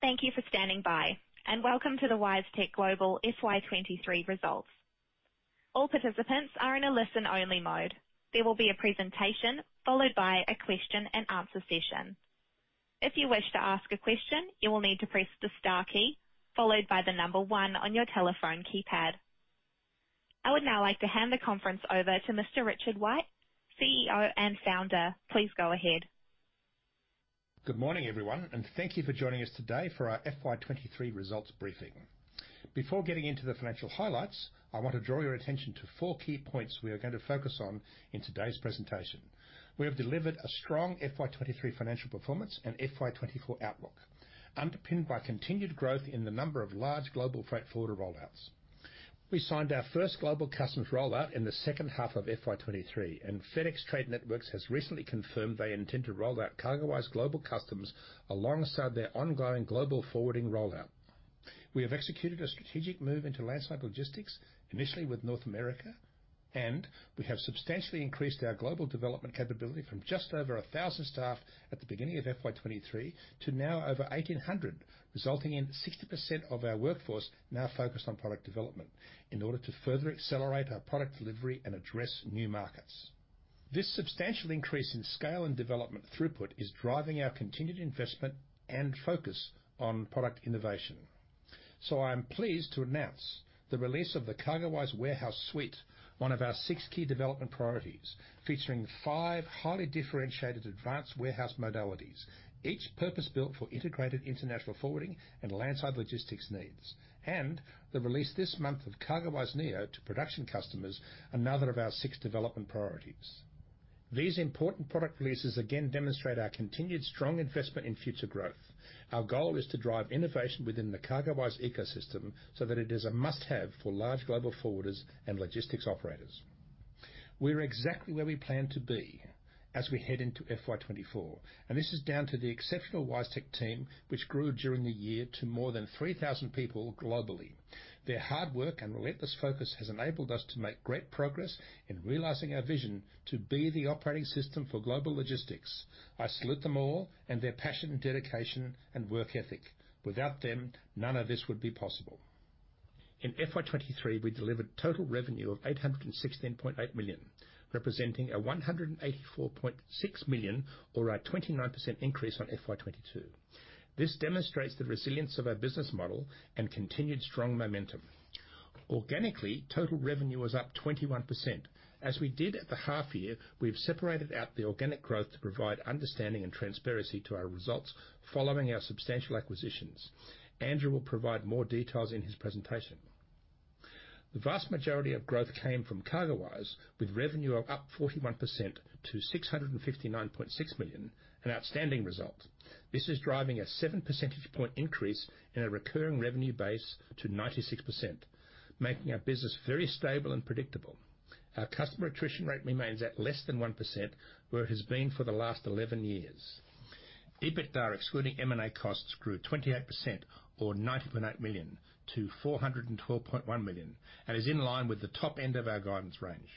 Thank you for standing by, Welcome to the WiseTech Global FY 2023 Results. All participants are in a listen-only mode. There will be a presentation, followed by a question and answer session. If you wish to ask a question, you will need to press the star key, followed by the number one on your telephone keypad. I would now like to hand the conference over to Mr. Richard White, CEO and founder. Please go ahead. Good morning, everyone, thank you for joining us today for our FY 2023 results briefing. Before getting into the financial highlights, I want to draw your attention to four key points we are going to focus on in today's presentation. We have delivered a strong FY 2023 financial performance and FY 2024 outlook, underpinned by continued growth in the number of large global freight forwarder rollouts. We signed our first global customs rollout in the second half of FY 2023, and FedEx Trade Networks has recently confirmed they intend to roll out CargoWise Global Customs alongside their ongoing global forwarding rollout. We have executed a strategic move into landside logistics, initially with North America, and we have substantially increased our global development capability from just over 1,000 staff at the beginning of FY 2023 to now over 1,800, resulting in 60% of our workforce now focused on product development in order to further accelerate our product delivery and address new markets. This substantial increase in scale and development throughput is driving our continued investment and focus on product innovation. I am pleased to announce the release of the CargoWise Warehouse Suite, one of our six key development priorities, featuring five highly differentiated advanced warehouse modalities, each purpose-built for integrated international forwarding and landside logistics needs. The release this month of CargoWise Neo to production customers, another of our six development priorities. These important product releases again demonstrate our continued strong investment in future growth. Our goal is to drive innovation within the CargoWise ecosystem so that it is a must-have for large global forwarders and logistics operators. We're exactly where we plan to be as we head into FY 2024. This is down to the exceptional WiseTech team, which grew during the year to more than 3,000 people globally. Their hard work and relentless focus has enabled us to make great progress in realizing our vision to be the operating system for global logistics. I salute them all and their passion and dedication and work ethic. Without them, none of this would be possible. In FY 2023, we delivered total revenue of 816.8 million, representing 184.6 million, or a 29% increase on FY 2022. This demonstrates the resilience of our business model and continued strong momentum. Organically, total revenue was up 21%. As we did at the half year, we've separated out the organic growth to provide understanding and transparency to our results following our substantial acquisitions. Andrew will provide more details in his presentation. The vast majority of growth came from CargoWise, with revenue of up 41% to 659.6 million, an outstanding result. This is driving a 7 percentage point increase in our recurring revenue base to 96%, making our business very stable and predictable. Our customer attrition rate remains at less than 1%, where it has been for the last 11 years. EBITDA, excluding M&A costs, grew 28% or 90.8 million to 412.1 million, and is in line with the top end of our guidance range.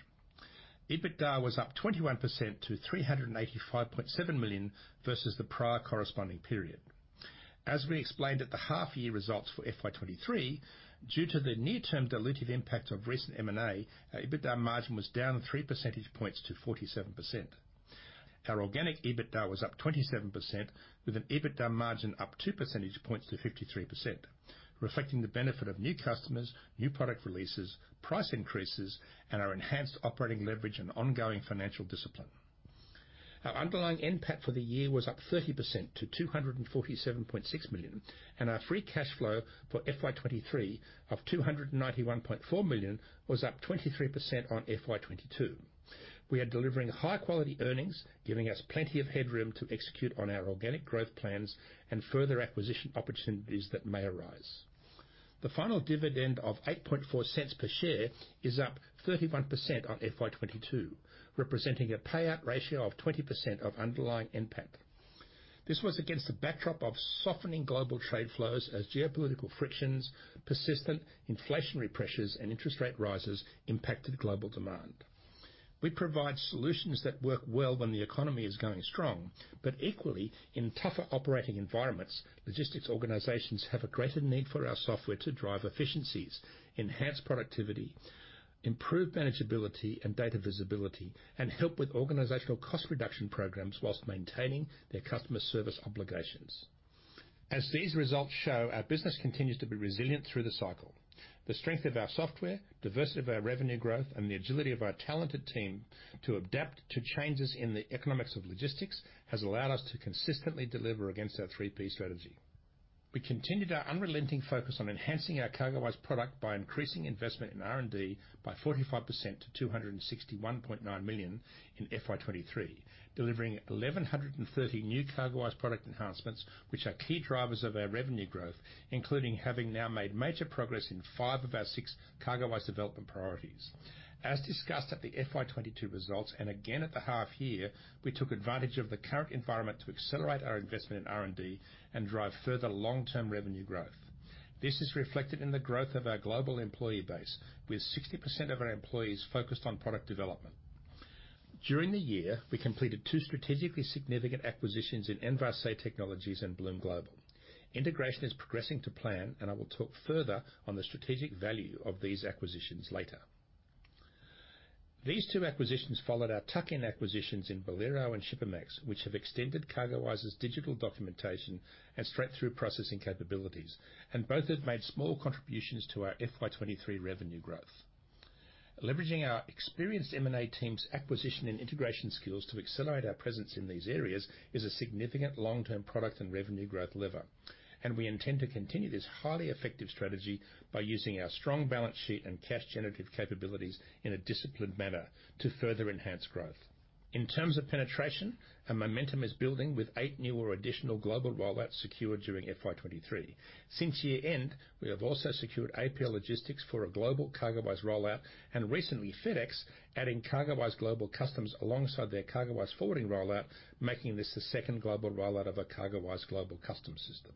EBITDA was up 21% to 385.7 million versus the prior corresponding period. As we explained at the half-year results for FY 2023, due to the near-term dilutive impact of recent M&A, our EBITDA margin was down 3 percentage points to 47%. Our organic EBITDA was up 27%, with an EBITDA margin up 2 percentage points to 53%, reflecting the benefit of new customers, new product releases, price increases, and our enhanced operating leverage and ongoing financial discipline. Our underlying NPAT for the year was up 30% to 247.6 million, and our free cash flow for FY 2023 of 291.4 million was up 23% on FY 2022. We are delivering high-quality earnings, giving us plenty of headroom to execute on our organic growth plans and further acquisition opportunities that may arise. The final dividend of 0.084 per share is up 31% on FY 2022, representing a payout ratio of 20% of underlying NPAT. This was against the backdrop of softening global trade flows as geopolitical frictions, persistent inflationary pressures, and interest rate rises impacted global demand. We provide solutions that work well when the economy is going strong, but equally, in tougher operating environments, logistics organizations have a greater need for our software to drive efficiencies, enhance productivity, improve manageability and data visibility, and help with organizational cost reduction programs while maintaining their customer service obligations. As these results show, our business continues to be resilient through the cycle. The strength of our software, diversity of our revenue growth, and the agility of our talented team to adapt to changes in the economics of logistics has allowed us to consistently deliver against our three P strategy. We continued our unrelenting focus on enhancing our CargoWise product by increasing investment in R&D by 45% to 261.9 million in FY 2023, delivering 1,130 new CargoWise product enhancements, which are key drivers of our revenue growth, including having now made major progress in five of our six CargoWise development priorities. As discussed at the FY 2022 results, and again at the half year, we took advantage of the current environment to accelerate our investment in R&D and drive further long-term revenue growth. This is reflected in the growth of our global employee base, with 60% of our employees focused on product development. During the year, we completed two strategically significant acquisitions in Envase Technologies and Blume Global. Integration is progressing to plan, and I will talk further on the strategic value of these acquisitions later. These two acquisitions followed our tuck-in acquisitions in Bolero and Shipamax, which have extended CargoWise's digital documentation and straight-through processing capabilities, and both have made small contributions to our FY 2023 revenue growth. Leveraging our experienced M&A team's acquisition and integration skills to accelerate our presence in these areas is a significant long-term product and revenue growth lever. We intend to continue this highly effective strategy by using our strong balance sheet and cash generative capabilities in a disciplined manner to further enhance growth. In terms of penetration, our momentum is building with eight new or additional global rollouts secured during FY 2023. Since year-end, we have also secured APL Logistics for a global CargoWise rollout, and recently, FedEx, adding CargoWise Global Customs alongside their CargoWise forwarding rollout, making this the second global rollout of a CargoWise Global Customs system.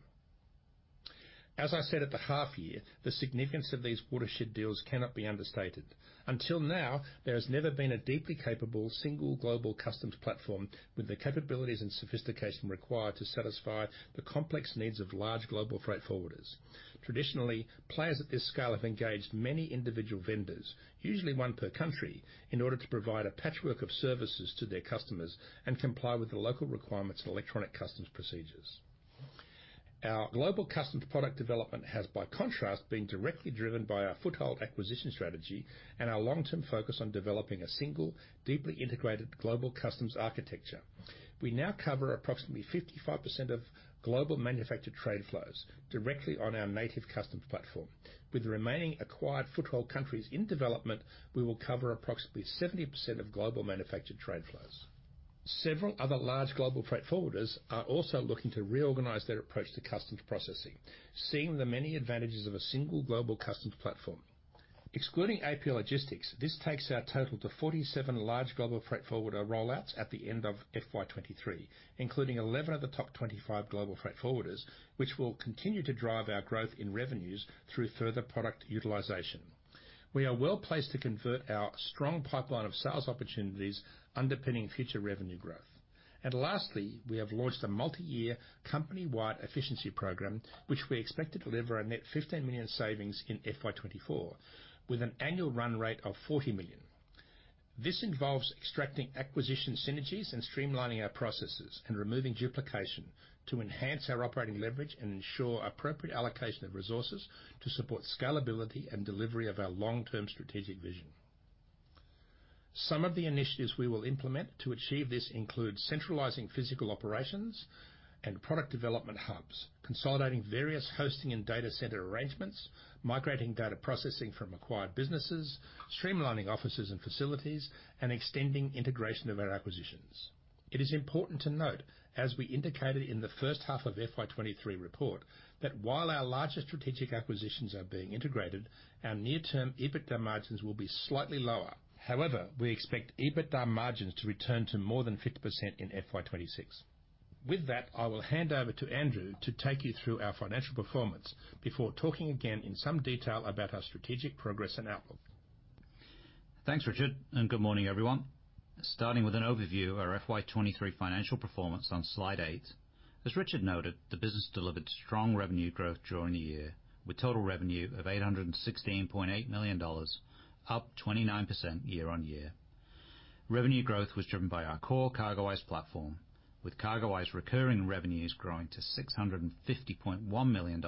As I said at the half year, the significance of these watershed deals cannot be understated. Until now, there has never been a deeply capable, single global customs platform with the capabilities and sophistication required to satisfy the complex needs of large global freight forwarders. Traditionally, players at this scale have engaged many individual vendors, usually one per country, in order to provide a patchwork of services to their customers and comply with the local requirements and electronic customs procedures. Our global customs product development has, by contrast, been directly driven by our foothold acquisition strategy and our long-term focus on developing a single, deeply integrated global customs architecture. We now cover approximately 55% of global manufactured trade flows directly on our native customs platform. With the remaining acquired foothold countries in development, we will cover approximately 70% of global manufactured trade flows. Several other large global freight forwarders are also looking to reorganize their approach to customs processing, seeing the many advantages of a single global customs platform. Excluding APL Logistics, this takes our total to 47 large global freight forwarder rollouts at the end of FY 2023, including 11 of the top 25 global freight forwarders, which will continue to drive our growth in revenues through further product utilization. We are well-placed to convert our strong pipeline of sales opportunities, underpinning future revenue growth. Lastly, we have launched a multi-year company-wide efficiency program, which we expect to deliver a net 15 million savings in FY 2024, with an annual run rate of 40 million. This involves extracting acquisition synergies and streamlining our processes, and removing duplication to enhance our operating leverage and ensure appropriate allocation of resources to support scalability and delivery of our long-term strategic vision. Some of the initiatives we will implement to achieve this include centralizing physical operations and product development hubs, consolidating various hosting and data center arrangements, migrating data processing from acquired businesses, streamlining offices and facilities, and extending integration of our acquisitions. It is important to note, as we indicated in the first half of FY 2023 report, that while our largest strategic acquisitions are being integrated, our near-term EBITDA margins will be slightly lower. However, we expect EBITDA margins to return to more than 50% in FY 2026. With that, I will hand over to Andrew to take you through our financial performance before talking again in some detail about our strategic progress and outlook. Thanks, Richard. Good morning, everyone. Starting with an overview of our FY 2023 financial performance on slide eight. As Richard noted, the business delivered strong revenue growth during the year, with total revenue of $816.8 million, up 29% year-on-year. Revenue growth was driven by our core CargoWise platform, with CargoWise recurring revenues growing to $650.1 million,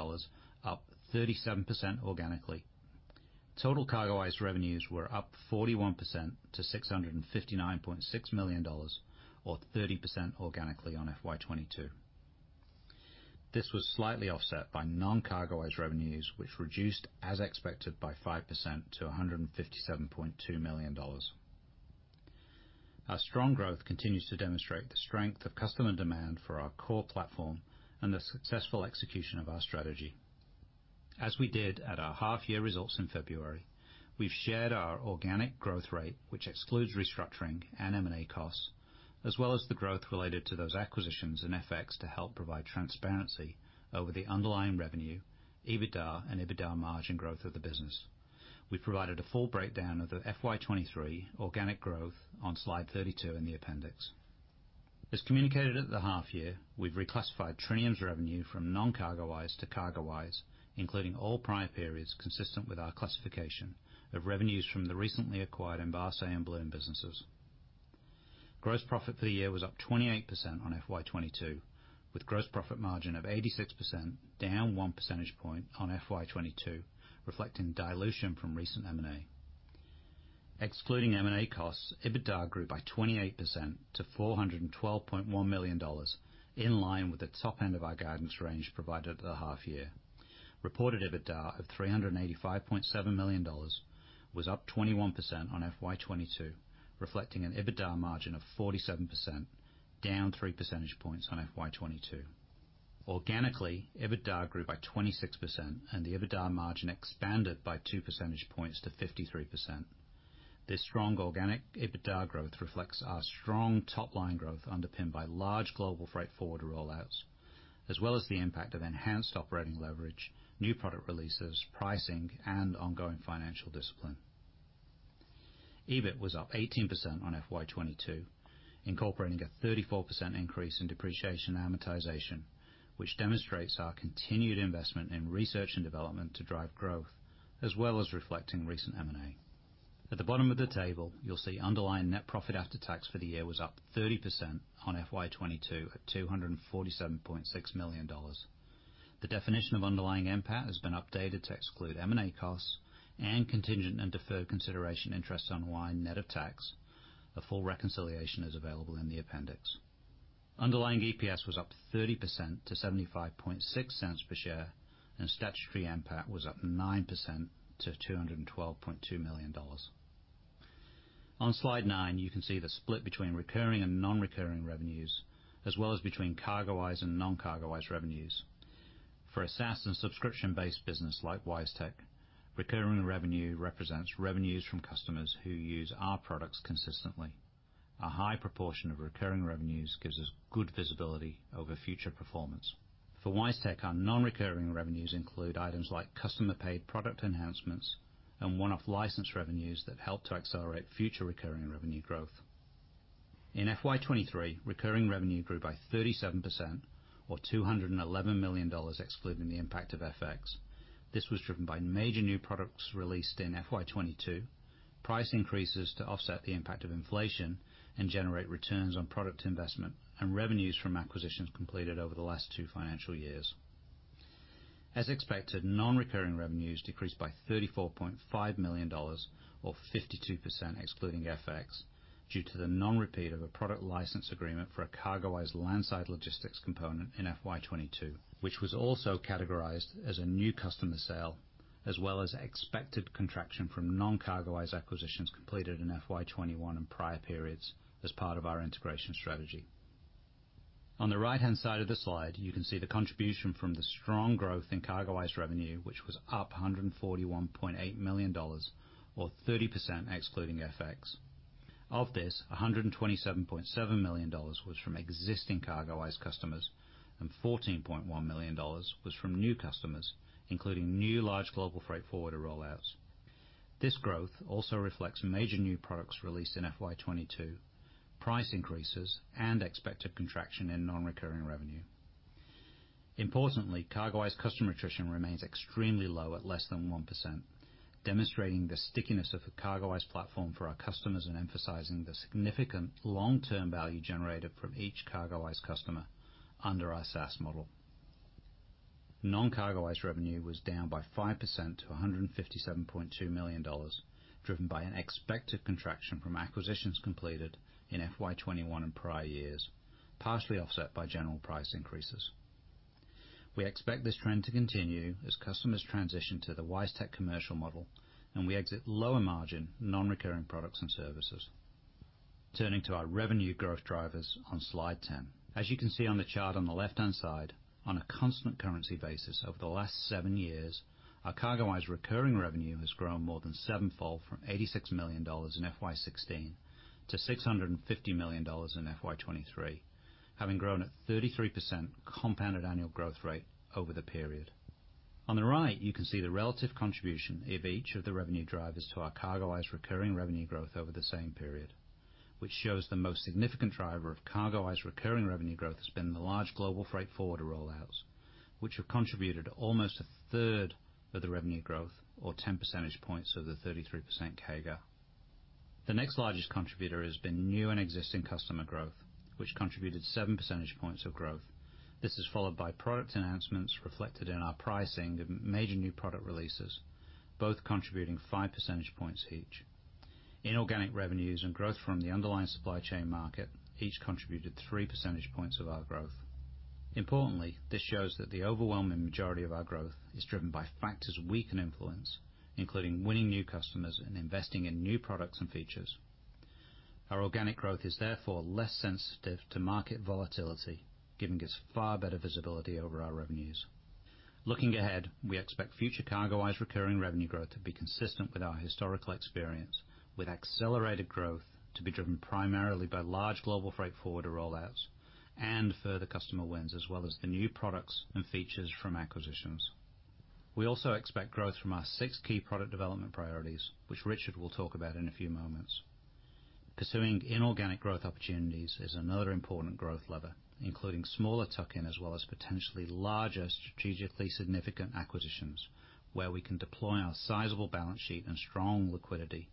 up 37% organically. Total CargoWise revenues were up 41% to $659.6 million, or 30% organically on FY 2022. This was slightly offset by non-CargoWise revenues, which reduced, as expected, by 5% to $157.2 million. Our strong growth continues to demonstrate the strength of customer demand for our core platform and the successful execution of our strategy. As we did at our half-year results in February, we've shared our organic growth rate, which excludes restructuring and M&A costs, as well as the growth related to those acquisitions and FX, to help provide transparency over the underlying revenue, EBITDA, and EBITDA margin growth of the business. We've provided a full breakdown of the FY 2023 organic growth on slide 32 in the appendix. As communicated at the half year, we've reclassified Trinium's revenue from non-CargoWise to CargoWise, including all prior periods, consistent with our classification of revenues from the recently acquired Envase and Blume Global businesses. Gross profit for the year was up 28% on FY 2022, with gross profit margin of 86%, down one percentage point on FY 2022, reflecting dilution from recent M&A. Excluding M&A costs, EBITDA grew by 28% to $412.1 million, in line with the top end of our guidance range provided at the half year. Reported EBITDA of $385.7 million was up 21% on FY 2022, reflecting an EBITDA margin of 47%, down 3 percentage points on FY 2022. Organically, EBITDA grew by 26%, and the EBITDA margin expanded by 2 percentage points to 53%. This strong organic EBITDA growth reflects our strong top-line growth, underpinned by large global freight forward rollouts. as well as the impact of enhanced operating leverage, new product releases, pricing, and ongoing financial discipline. EBIT was up 18% on FY 2022, incorporating a 34% increase in depreciation amortization, which demonstrates our continued investment in R&D to drive growth, as well as reflecting recent M&A. At the bottom of the table, you'll see underlying NPAT for the year was up 30% on FY 2022 at 247.6 million dollars. The definition of underlying NPAT has been updated to exclude M&A costs and contingent and deferred consideration interests unwind net of tax. A full reconciliation is available in the appendix. Underlying EPS was up 30% to 0.756 per share, and statutory NPAT was up 9% to 212.2 million dollars. On slide nine, you can see the split between recurring and nonrecurring revenues, as well as between CargoWise and non-CargoWise revenues. For a SaaS and subscription-based business like WiseTech, recurring revenue represents revenues from customers who use our products consistently. A high proportion of recurring revenues gives us good visibility over future performance. For WiseTech, our nonrecurring revenues include items like customer-paid product enhancements and one-off license revenues that help to accelerate future recurring revenue growth. In FY 2023, recurring revenue grew by 37% or $211 million, excluding the impact of FX. This was driven by major new products released in FY 2022, price increases to offset the impact of inflation and generate returns on product investment, and revenues from acquisitions completed over the last two financial years. As expected, nonrecurring revenues decreased by $34.5 million or 52% excluding FX, due to the non-repeat of a product license agreement for a CargoWise landside logistics component in FY 2022, which was also categorized as a new customer sale, as well as expected contraction from non-CargoWise acquisitions completed in FY 2021 and prior periods as part of our integration strategy. On the right-hand side of the slide, you can see the contribution from the strong growth in CargoWise revenue, which was up AUD 141.8 million or 30% excluding FX. Of this, AUD 127.7 million was from existing CargoWise customers, and AUD 14.1 million was from new customers, including new large global freight forwarder rollouts. This growth also reflects major new products released in FY 2022, price increases, and expected contraction in nonrecurring revenue. Importantly, CargoWise customer attrition remains extremely low at less than 1%, demonstrating the stickiness of the CargoWise platform for our customers and emphasizing the significant long-term value generated from each CargoWise customer under our SaaS model. Non-CargoWise revenue was down by 5% to $157.2 million, driven by an expected contraction from acquisitions completed in FY 2021 and prior years, partially offset by general price increases. We expect this trend to continue as customers transition to the WiseTech commercial model, and we exit lower margin, nonrecurring products and services. Turning to our revenue growth drivers on slide 10. As you can see on the chart on the left-hand side, on a constant currency basis over the last seven years, our CargoWise recurring revenue has grown more than sevenfold, from $86 million in FY 2016 to $650 million in FY 2023, having grown at 33% compounded annual growth rate over the period. On the right, you can see the relative contribution of each of the revenue drivers to our CargoWise recurring revenue growth over the same period, which shows the most significant driver of CargoWise recurring revenue growth has been the large global freight forwarder rollouts, which have contributed almost a third of the revenue growth or 10 percentage points of the 33% CAGR. The next largest contributor has been new and existing customer growth, which contributed 7 percentage points of growth. This is followed by product enhancements reflected in our pricing of major new product releases, both contributing 5 percentage points each. Inorganic revenues and growth from the underlying supply chain market each contributed 3 percentage points of our growth. Importantly, this shows that the overwhelming majority of our growth is driven by factors we can influence, including winning new customers and investing in new products and features. Our organic growth is therefore less sensitive to market volatility, giving us far better visibility over our revenues. Looking ahead, we expect future CargoWise recurring revenue growth to be consistent with our historical experience, with accelerated growth to be driven primarily by large global freight forwarder rollouts and further customer wins, as well as the new products and features from acquisitions. We also expect growth from our six key product development priorities, which Richard will talk about in a few moments. Pursuing inorganic growth opportunities is another important growth lever, including smaller tuck-in, as well as potentially larger, strategically significant acquisitions, where we can deploy our sizable balance sheet and strong liquidity,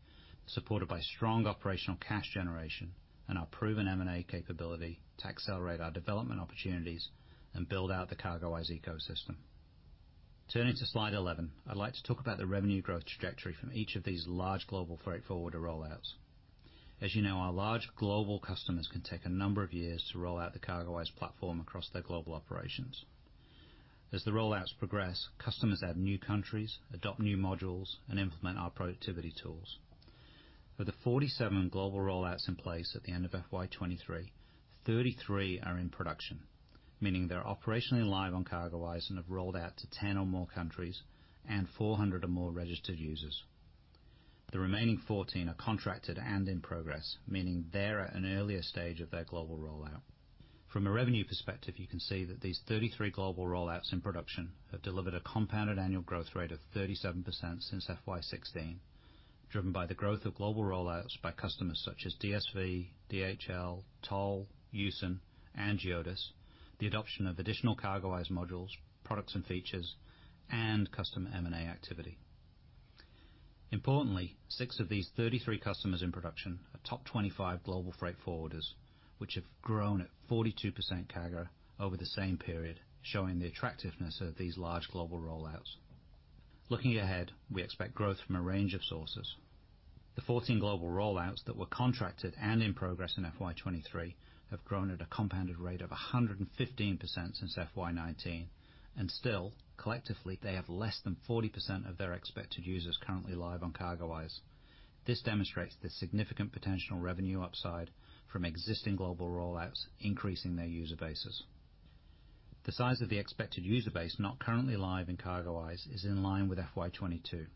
supported by strong operational cash generation and our proven M&A capability to accelerate our development opportunities and build out the CargoWise ecosystem. Turning to slide 11, I'd like to talk about the revenue growth trajectory from each of these large global freight forwarder rollouts. As you know, our large global customers can take a number of years to roll out the CargoWise platform across their global operations. As the rollouts progress, customers add new countries, adopt new modules, and implement our productivity tools. Of the 47 global rollouts in place at the end of FY 2023, 33 are in production, meaning they're operationally live on CargoWise and have rolled out to 10 or more countries and 400 or more registered users.... The remaining 14 are contracted and in progress, meaning they're at an earlier stage of their global rollout. From a revenue perspective, you can see that these 33 global rollouts in production have delivered a compounded annual growth rate of 37% since FY 2016, driven by the growth of global rollouts by customers such as DSV, DHL, Toll, Yusen, and Geodis, the adoption of additional CargoWise modules, products and features, and customer M&A activity. Importantly, six of these 33 customers in production are top 25 global freight forwarders, which have grown at 42% CAGR over the same period, showing the attractiveness of these large global rollouts. Looking ahead, we expect growth from a range of sources. The 14 global rollouts that were contracted and in progress in FY 2023 have grown at a compounded rate of 115% since FY 2019. Still, collectively, they have less than 40% of their expected users currently live on CargoWise. This demonstrates the significant potential revenue upside from existing global rollouts, increasing their user bases. The size of the expected user base not currently live in CargoWise is in line with FY 2022,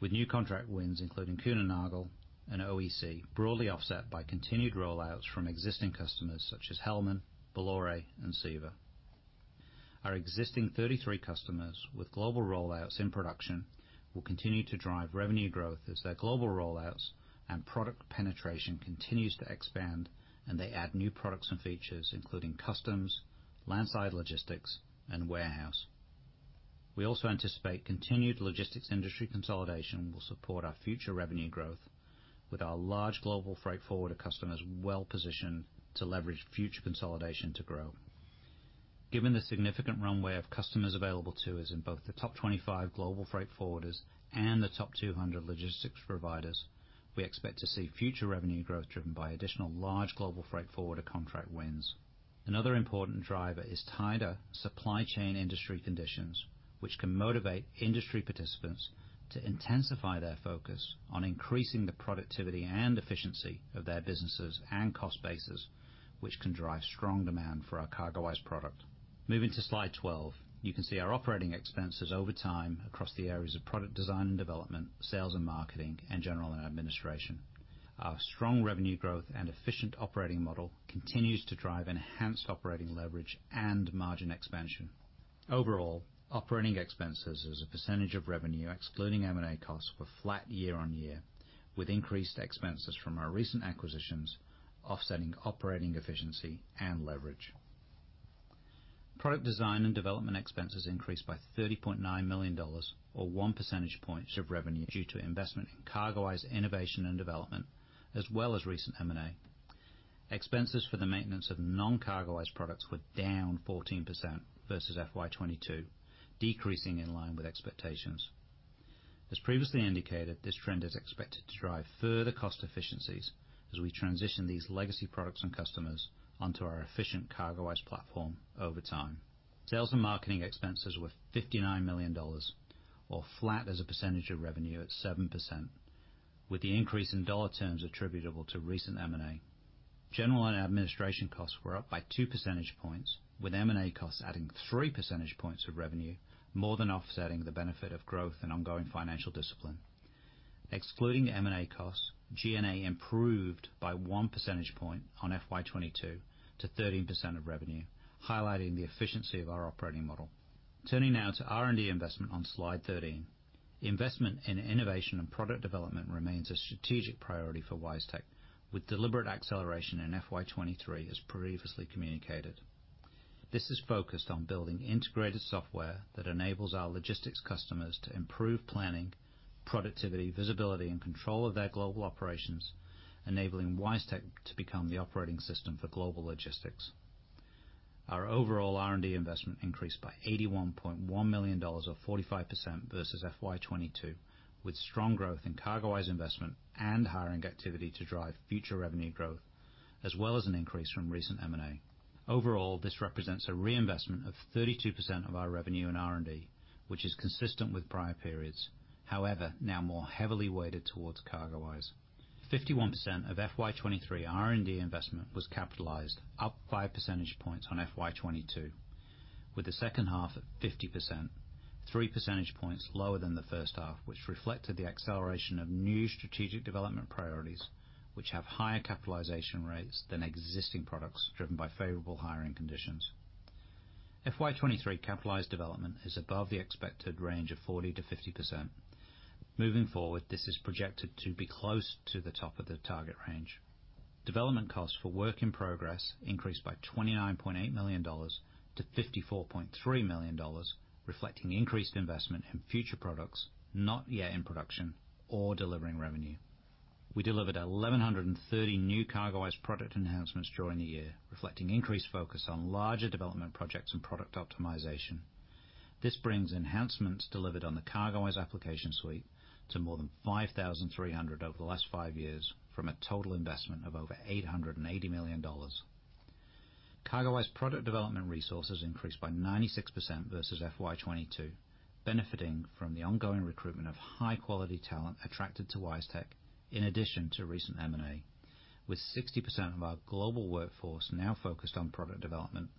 with new contract wins, including Kuehne+Nagel and OEC, broadly offset by continued rollouts from existing customers such as Hellmann, Bolloré, and CEVA. Our existing 33 customers, with global rollouts in production, will continue to drive revenue growth as their global rollouts and product penetration continues to expand and they add new products and features, including customs, landside logistics, and warehouse. We also anticipate continued logistics industry consolidation will support our future revenue growth with our large global freight forwarder customers well-positioned to leverage future consolidation to grow. Given the significant runway of customers available to us in both the top 25 global freight forwarders and the top 200 logistics providers, we expect to see future revenue growth driven by additional large global freight forwarder contract wins. Another important driver is tighter supply chain industry conditions, which can motivate industry participants to intensify their focus on increasing the productivity and efficiency of their businesses and cost bases, which can drive strong demand for our CargoWise product. Moving to slide 12, you can see our operating expenses over time across the areas of product design and development, sales and marketing, and general and administration. Our strong revenue growth and efficient operating model continues to drive enhanced operating leverage and margin expansion. Overall, operating expenses as a percentage of revenue, excluding M&A costs, were flat year-on-year, with increased expenses from our recent acquisitions, offsetting operating efficiency and leverage. Product design and development expenses increased by 30.9 million dollars, or 1 percentage point of revenue, due to investment in CargoWise innovation and development, as well as recent M&A. Expenses for the maintenance of non-CargoWise products were down 14% versus FY 2022, decreasing in line with expectations. As previously indicated, this trend is expected to drive further cost efficiencies as we transition these legacy products and customers onto our efficient CargoWise platform over time. Sales and marketing expenses were 59 million dollars, or flat as a percentage of revenue at 7%, with the increase in dollar terms attributable to recent M&A. General and administration costs were up by 2 percentage points, with M&A costs adding 3 percentage points of revenue, more than offsetting the benefit of growth and ongoing financial discipline. Excluding M&A costs, G&A improved by 1 percentage point on FY 2022 to 13% of revenue, highlighting the efficiency of our operating model. Turning now to R&D investment on slide 13. Investment in innovation and product development remains a strategic priority for WiseTech, with deliberate acceleration in FY 2023, as previously communicated. This is focused on building integrated software that enables our logistics customers to improve planning, productivity, visibility, and control of their global operations, enabling WiseTech to become the operating system for global logistics. Our overall R&D investment increased by $81.1 million, or 45% versus FY 2022, with strong growth in CargoWise investment and hiring activity to drive future revenue growth, as well as an increase from recent M&A. Overall, this represents a reinvestment of 32% of our revenue in R&D, which is consistent with prior periods. However, now more heavily weighted towards CargoWise. 51% of FY 2023 R&D investment was capitalized, up 5 percentage points on FY 2022, with the second half at 50%, 3 percentage points lower than the first half, which reflected the acceleration of new strategic development priorities, which have higher capitalization rates than existing products driven by favorable hiring conditions. FY 2023 capitalized development is above the expected range of 40%-50%. Moving forward, this is projected to be close to the top of the target range. Development costs for work in progress increased by AUD 29.8 million to AUD 54.3 million, reflecting increased investment in future products not yet in production or delivering revenue. We delivered 1,130 new CargoWise product enhancements during the year, reflecting increased focus on larger development projects and product optimization. This brings enhancements delivered on the CargoWise application suite to more than 5,300 over the last 5 years from a total investment of over 880 million dollars. CargoWise product development resources increased by 96% versus FY 2022, benefiting from the ongoing recruitment of high-quality talent attracted to WiseTech's. In addition to recent M&A, with 60% of our global workforce now focused on product development,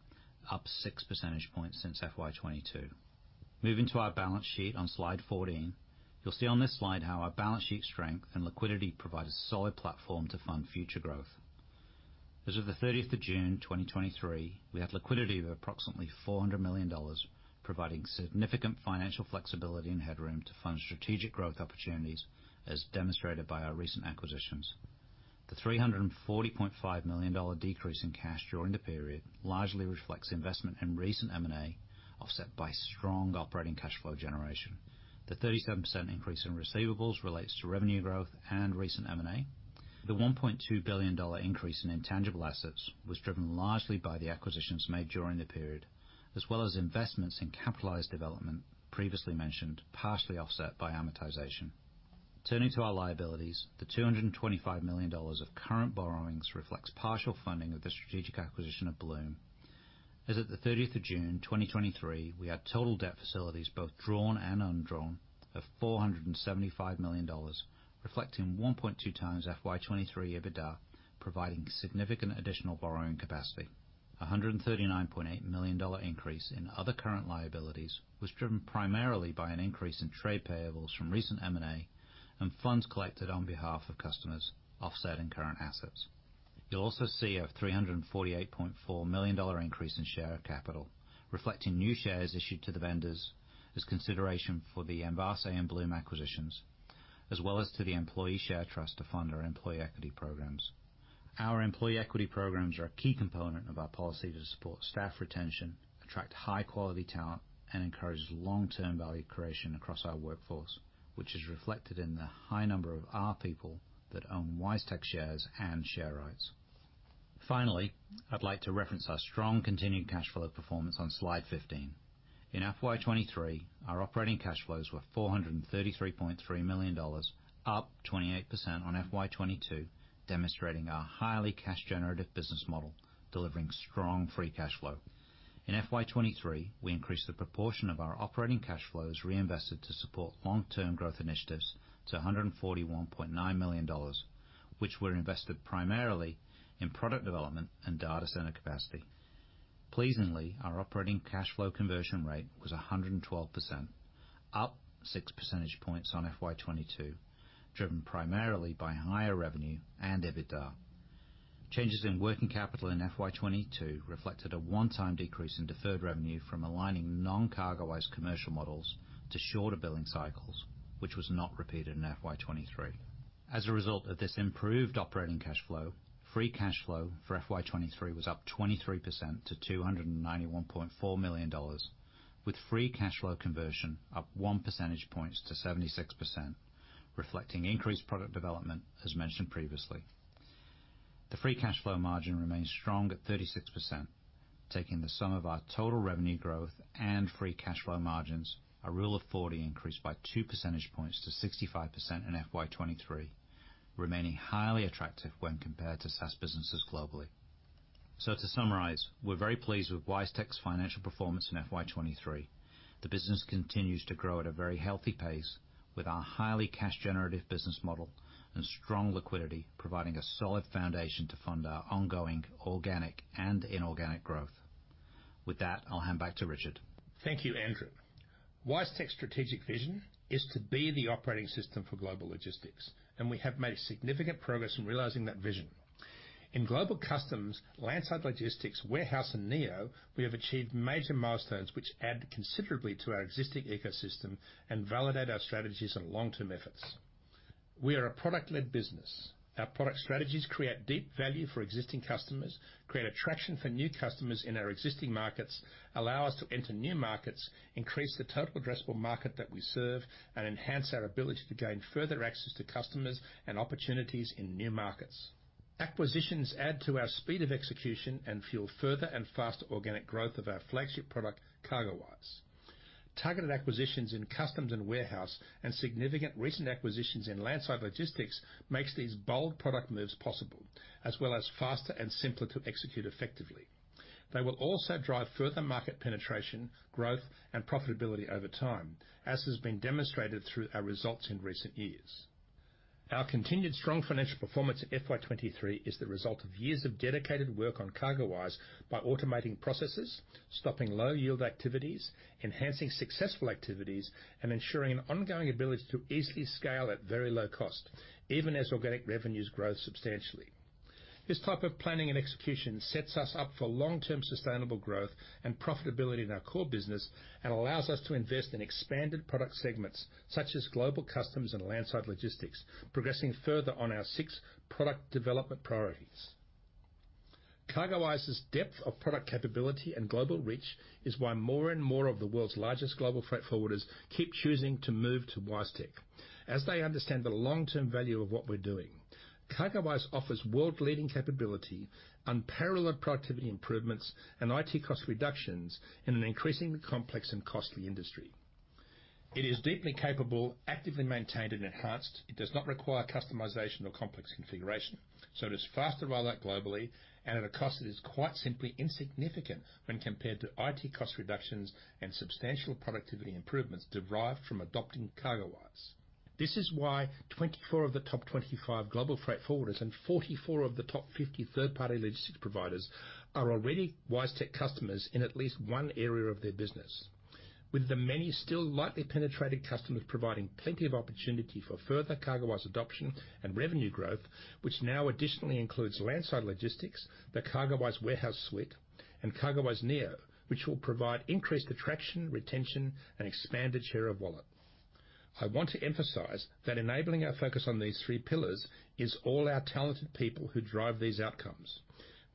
up 6 percentage points since FY 2022. Moving to our balance sheet on slide 14. You'll see on this slide how our balance sheet strength and liquidity provide a solid platform to fund future growth. As of the 30th of June, 2023, we have liquidity of approximately 400 million dollars, providing significant financial flexibility and headroom to fund strategic growth opportunities, as demonstrated by our recent acquisitions. The $340.5 million decrease in cash during the period largely reflects investment in recent M&A, offset by strong operating cash flow generation. The 37% increase in receivables relates to revenue growth and recent M&A. The $1.2 billion increase in intangible assets was driven largely by the acquisitions made during the period, as well as investments in capitalized development previously mentioned, partially offset by amortization. Turning to our liabilities, the $225 million of current borrowings reflects partial funding of the strategic acquisition of Bloom. As at the 30th of June, 2023, we had total debt facilities, both drawn and undrawn, of $475 million, reflecting 1.2x FY23 EBITDA, providing significant additional borrowing capacity. An 139.8 million dollar increase in other current liabilities was driven primarily by an increase in trade payables from recent M&A, and funds collected on behalf of customers offsetting current assets. You'll also see an 348.4 million dollar increase in share capital, reflecting new shares issued to the vendors as consideration for the Envase and Bloom acquisitions, as well as to the employee share trust to fund our employee equity programs. Our employee equity programs are a key component of our policy to support staff retention, attract high-quality talent, and encourage long-term value creation across our workforce, which is reflected in the high number of our people that own WiseTech shares and share rights. Finally, I'd like to reference our strong continued cash flow performance on slide 15. In FY 2023, our operating cash flows were 433.3 million dollars, up 28% on FY 2022, demonstrating our highly cash generative business model, delivering strong free cash flow. In FY 2023, we increased the proportion of our operating cash flows reinvested to support long-term growth initiatives to AUD 141.9 million, which were invested primarily in product development and data center capacity. Pleasingly, our operating cash flow conversion rate was 112%, up 6 percentage points on FY 2022, driven primarily by higher revenue and EBITDA. Changes in working capital in FY 2022 reflected a one-time decrease in deferred revenue from aligning non-CargoWise commercial models to shorter billing cycles, which was not repeated in FY 2023. As a result of this improved operating cash flow, free cash flow for FY 2023 was up 23% to 291.4 million dollars, with free cash flow conversion up one percentage points to 76%, reflecting increased product development, as mentioned previously. The free cash flow margin remains strong at 36%, taking the sum of our total revenue growth and free cash flow margins. Our Rule of 40 increased by two percentage points to 65% in FY 2023, remaining highly attractive when compared to SaaS businesses globally. To summarize, we're very pleased with WiseTech's financial performance in FY 2023. The business continues to grow at a very healthy pace, with our highly cash-generative business model and strong liquidity, providing a solid foundation to fund our ongoing organic and inorganic growth. With that, I'll hand back to Richard. Thank you, Andrew. WiseTech's strategic vision is to be the operating system for global logistics, and we have made significant progress in realizing that vision. In Global Customs, Landside Logistics, Warehouse, and Neo, we have achieved major milestones which add considerably to our existing ecosystem and validate our strategies and long-term efforts. We are a product-led business. Our product strategies create deep value for existing customers, create attraction for new customers in our existing markets, allow us to enter new markets, increase the total addressable market that we serve, and enhance our ability to gain further access to customers and opportunities in new markets. Acquisitions add to our speed of execution and fuel further and faster organic growth of our flagship product, CargoWise. Targeted acquisitions in Customs and Warehouse and significant recent acquisitions in landside logistics makes these bold product moves possible, as well as faster and simpler to execute effectively. They will also drive further market penetration, growth, and profitability over time, as has been demonstrated through our results in recent years. Our continued strong financial performance in FY 2023 is the result of years of dedicated work on CargoWise by automating processes, stopping low-yield activities, enhancing successful activities, and ensuring an ongoing ability to easily scale at very low cost, even as organic revenues grow substantially. This type of planning and execution sets us up for long-term sustainable growth and profitability in our core business, and allows us to invest in expanded product segments such as Global Customs and landside logistics, progressing further on our 6 product development priorities. CargoWise's depth of product capability and global reach is why more and more of the world's largest global freight forwarders keep choosing to move to WiseTech, as they understand the long-term value of what we're doing. CargoWise offers world-leading capability, unparalleled productivity improvements, and IT cost reductions in an increasingly complex and costly industry. It is deeply capable, actively maintained and enhanced. It does not require customization or complex configuration, so it is faster to roll out globally and at a cost that is quite simply insignificant when compared to IT cost reductions and substantial productivity improvements derived from adopting CargoWise. This is why 24 of the top 25 global freight forwarders and 44 of the top 50 third-party logistics providers are already WiseTech customers in at least one area of their business. With the many still lightly penetrated customers providing plenty of opportunity for further CargoWise adoption and revenue growth, which now additionally includes landside logistics, the CargoWise Warehouse Suite, and CargoWise Neo, which will provide increased attraction, retention, and expanded share of wallet. I want to emphasize that enabling our focus on these three pillars is all our talented people who drive these outcomes.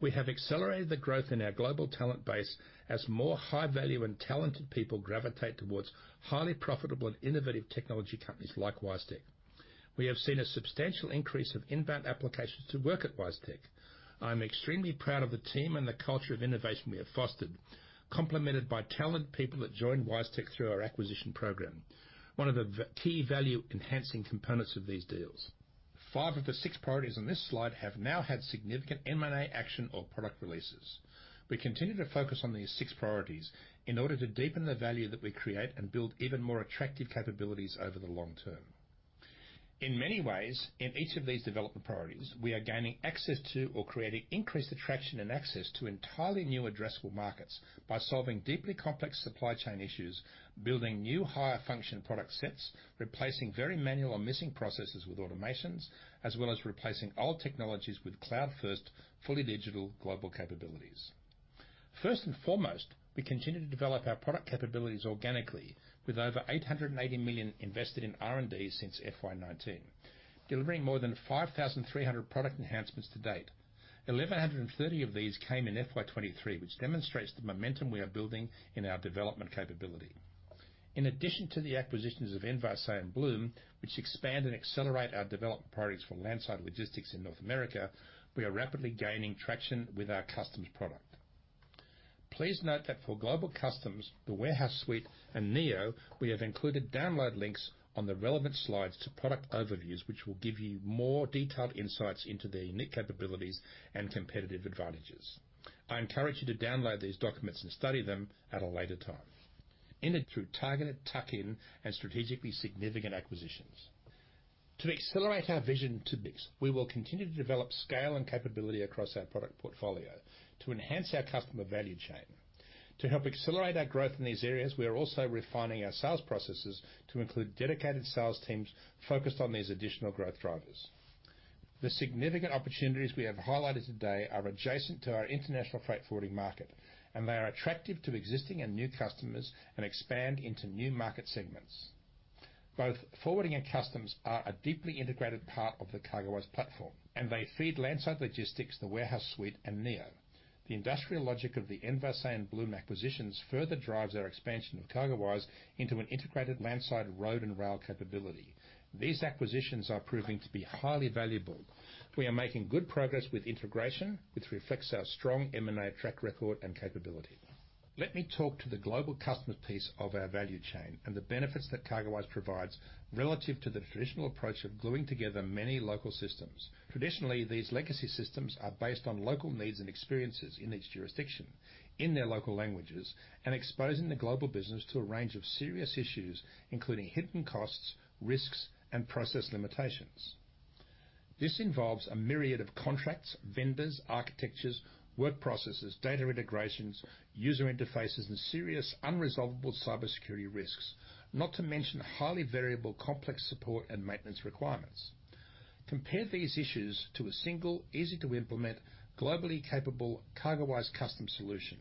We have accelerated the growth in our global talent base as more high-value and talented people gravitate towards highly profitable and innovative technology companies like WiseTech. We have seen a substantial increase of inbound applications to work at WiseTech. I'm extremely proud of the team and the culture of innovation we have fostered, complemented by talented people that joined WiseTech through our acquisition program, one of the key value-enhancing components of these deals. Five of the six priorities on this slide have now had significant M&A action or product releases. We continue to focus on these six priorities in order to deepen the value that we create and build even more attractive capabilities over the long term. In many ways, in each of these development priorities, we are gaining access to or creating increased attraction and access to entirely new addressable markets by solving deeply complex supply chain issues, building new higher function product sets, replacing very manual or missing processes with automations, as well as replacing old technologies with cloud-first, fully digital global capabilities. First and foremost, we continue to develop our product capabilities organically with over 880 million invested in R&D since FY 2019, delivering more than 5,300 product enhancements to date. 1,130 of these came in FY 2023, which demonstrates the momentum we are building in our development capability. In addition to the acquisitions of Envase and Blume, which expand and accelerate our development priorities for landside logistics in North America, we are rapidly gaining traction with our customs product. Please note that for Global Customs, the Warehouse Suite and Neo, we have included download links on the relevant slides to product overviews, which will give you more detailed insights into their unique capabilities and competitive advantages. I encourage you to download these documents and study them at a later time. Enter through targeted tuck-in and strategically significant acquisitions. To accelerate our vision to this, we will continue to develop scale and capability across our product portfolio to enhance our customer value chain. To help accelerate our growth in these areas, we are also refining our sales processes to include dedicated sales teams focused on these additional growth drivers. The significant opportunities we have highlighted today are adjacent to our international freight forwarding market, and they are attractive to existing and new customers and expand into new market segments. Both forwarding and customs are a deeply integrated part of the CargoWise platform, and they feed landside logistics, the Warehouse Suite, and Neo. The industrial logic of the Envase and Blume acquisitions further drives our expansion of CargoWise into an integrated landside, road, and rail capability. These acquisitions are proving to be highly valuable. We are making good progress with integration, which reflects our strong M&A track record and capability. Let me talk to the global customs piece of our value chain and the benefits that CargoWise provides relative to the traditional approach of gluing together many local systems. Traditionally, these legacy systems are based on local needs and experiences in each jurisdiction, in their local languages, and exposing the global business to a range of serious issues, including hidden costs, risks, and process limitations. This involves a myriad of contracts, vendors, architectures, work processes, data integrations, user interfaces, and serious unresolvable cybersecurity risks, not to mention highly variable, complex support and maintenance requirements. Compare these issues to a single, easy-to-implement, globally capable CargoWise customs solution,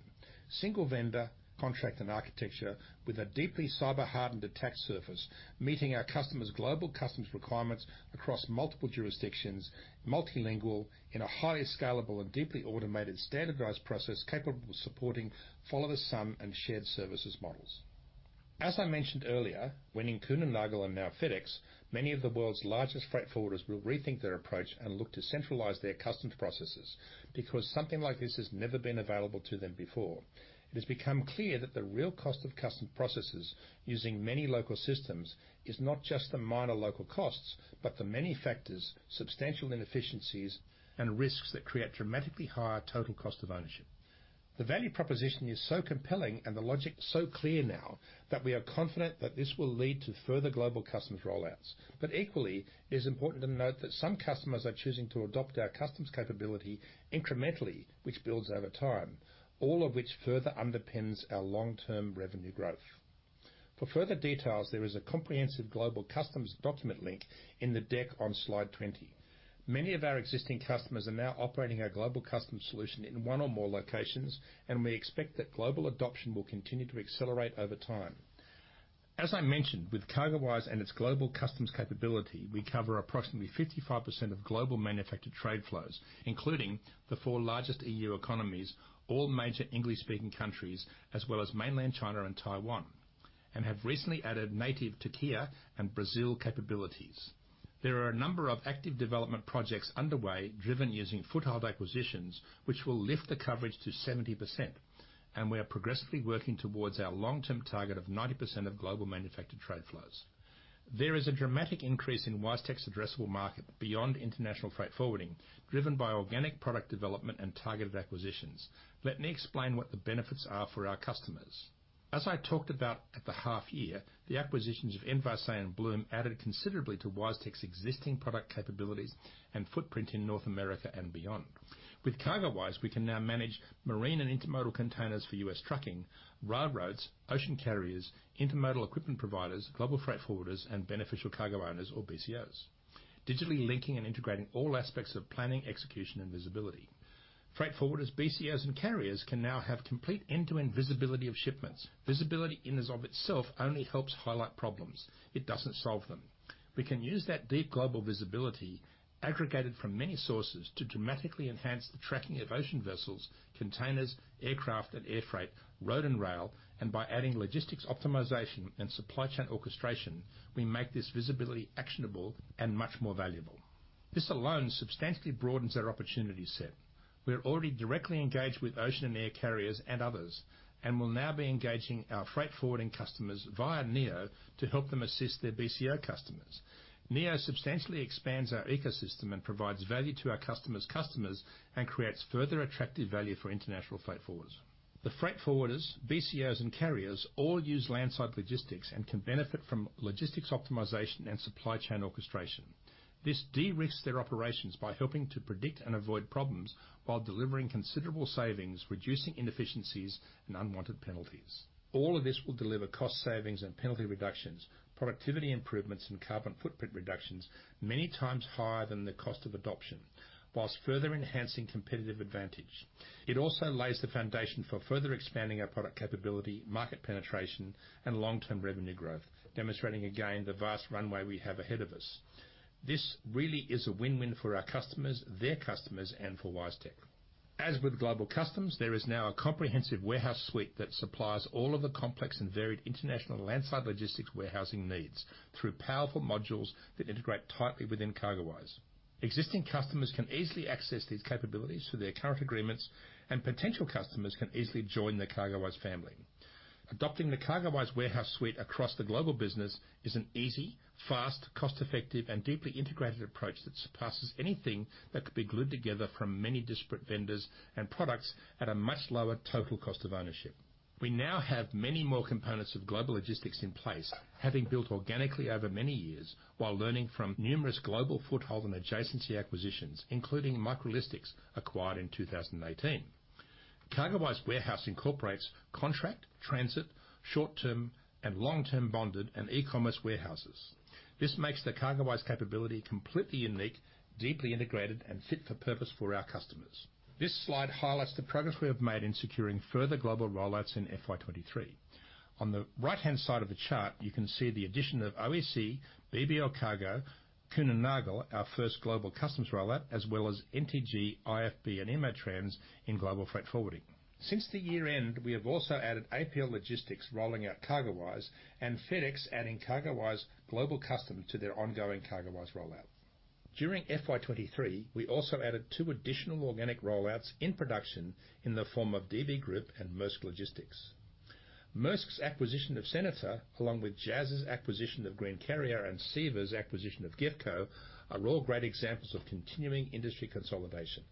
single vendor, contract and architecture with a deeply cyber-hardened attack surface, meeting our customers' global customs requirements across multiple jurisdictions, multilingual in a highly scalable and deeply automated, standardized process capable of supporting follow the sun and shared services models. As I mentioned earlier, winning Kuehne+Nagel and now FedEx, many of the world's largest freight forwarders will rethink their approach and look to centralize their customs processes, because something like this has never been available to them before. It has become clear that the real cost of customs processes using many local systems is not just the minor local costs, but the many factors, substantial inefficiencies, and risks that create dramatically higher total cost of ownership. The value proposition is so compelling and the logic so clear now that we are confident that this will lead to further global customs rollouts. Equally, it is important to note that some customers are choosing to adopt our customs capability incrementally, which builds over time, all of which further underpins our long-term revenue growth. For further details, there is a comprehensive global customs document link in the deck on slide 20. Many of our existing customers are now operating our global customs solution in one or more locations, and we expect that global adoption will continue to accelerate over time. As I mentioned, with CargoWise and its global customs capability, we cover approximately 55% of global manufactured trade flows, including the four largest EU economies, all major English-speaking countries, as well as mainland China and Taiwan, and have recently added native Turkey and Brazil capabilities. There are a number of active development projects underway, driven using foothold acquisitions, which will lift the coverage to 70%, and we are progressively working towards our long-term target of 90% of global manufactured trade flows. There is a dramatic increase in WiseTech's addressable market beyond international freight forwarding, driven by organic product development and targeted acquisitions. Let me explain what the benefits are for our customers. As I talked about at the half year, the acquisitions of Envase and Blume added considerably to WiseTech's existing product capabilities and footprint in North America and beyond. With CargoWise, we can now manage marine and intermodal containers for U.S. trucking, railroads, ocean carriers, intermodal equipment providers, global freight forwarders, and beneficial cargo owners or BCOs, digitally linking and integrating all aspects of planning, execution, and visibility. Freight forwarders, BCOs, and carriers can now have complete end-to-end visibility of shipments. Visibility in and of itself only helps highlight problems, it doesn't solve them. We can use that deep global visibility, aggregated from many sources, to dramatically enhance the tracking of ocean vessels, containers, aircraft and air freight, road and rail, and by adding logistics optimization and supply chain orchestration, we make this visibility actionable and much more valuable. This alone substantially broadens our opportunity set. We are already directly engaged with ocean and air carriers and others, and we'll now be engaging our freight forwarding customers via Neo to help them assist their BCO customers. Neo substantially expands our ecosystem and provides value to our customers' customers, and creates further attractive value for international freight forwarders. The freight forwarders, BCOs, and carriers all use landside logistics and can benefit from logistics optimization and supply chain orchestration. This de-risks their operations by helping to predict and avoid problems while delivering considerable savings, reducing inefficiencies and unwanted penalties. All of this will deliver cost savings and penalty reductions, productivity improvements, and carbon footprint reductions many times higher than the cost of adoption, whilst further enhancing competitive advantage. It also lays the foundation for further expanding our product capability, market penetration, and long-term revenue growth, demonstrating again the vast runway we have ahead of us. This really is a win-win for our customers, their customers, and for WiseTech. As with Global Customs, there is now a comprehensive warehouse suite that supplies all of the complex and varied international landside logistics warehousing needs through powerful modules that integrate tightly within CargoWise. Existing customers can easily access these capabilities through their current agreements, and potential customers can easily join the CargoWise family. Adopting the CargoWise Warehouse Suite across the global business is an easy, fast, cost-effective, and deeply integrated approach that surpasses anything that could be glued together from many disparate vendors and products at a much lower total cost of ownership. We now have many more components of global logistics in place, having built organically over many years, while learning from numerous global foothold and adjacency acquisitions, including Microlistics, acquired in 2018. CargoWise Warehouse incorporates contract, transit, short-term, and long-term bonded and e-commerce warehouses. This makes the CargoWise capability completely unique, deeply integrated, and fit for purpose for our customers. This slide highlights the progress we have made in securing further global rollouts in FY 2023. On the right-hand side of the chart, you can see the addition of OEC, BBL Cargo, Kuehne+Nagel, our first Global Customs rollout, as well as NTG, IFB, and EMO Trans. Since the year-end, we have also added APL Logistics, rolling out CargoWise, and FedEx adding CargoWise Global Customs to their ongoing CargoWise rollout. During FY 2023, we also added two additional organic rollouts in production in the form of D.B. Group and Maersk Logistics. Maersk's acquisition of Senator, along with JAS's acquisition of Greencarrier and CEVA's acquisition of GEFCO, are all great examples of continuing industry consolidation.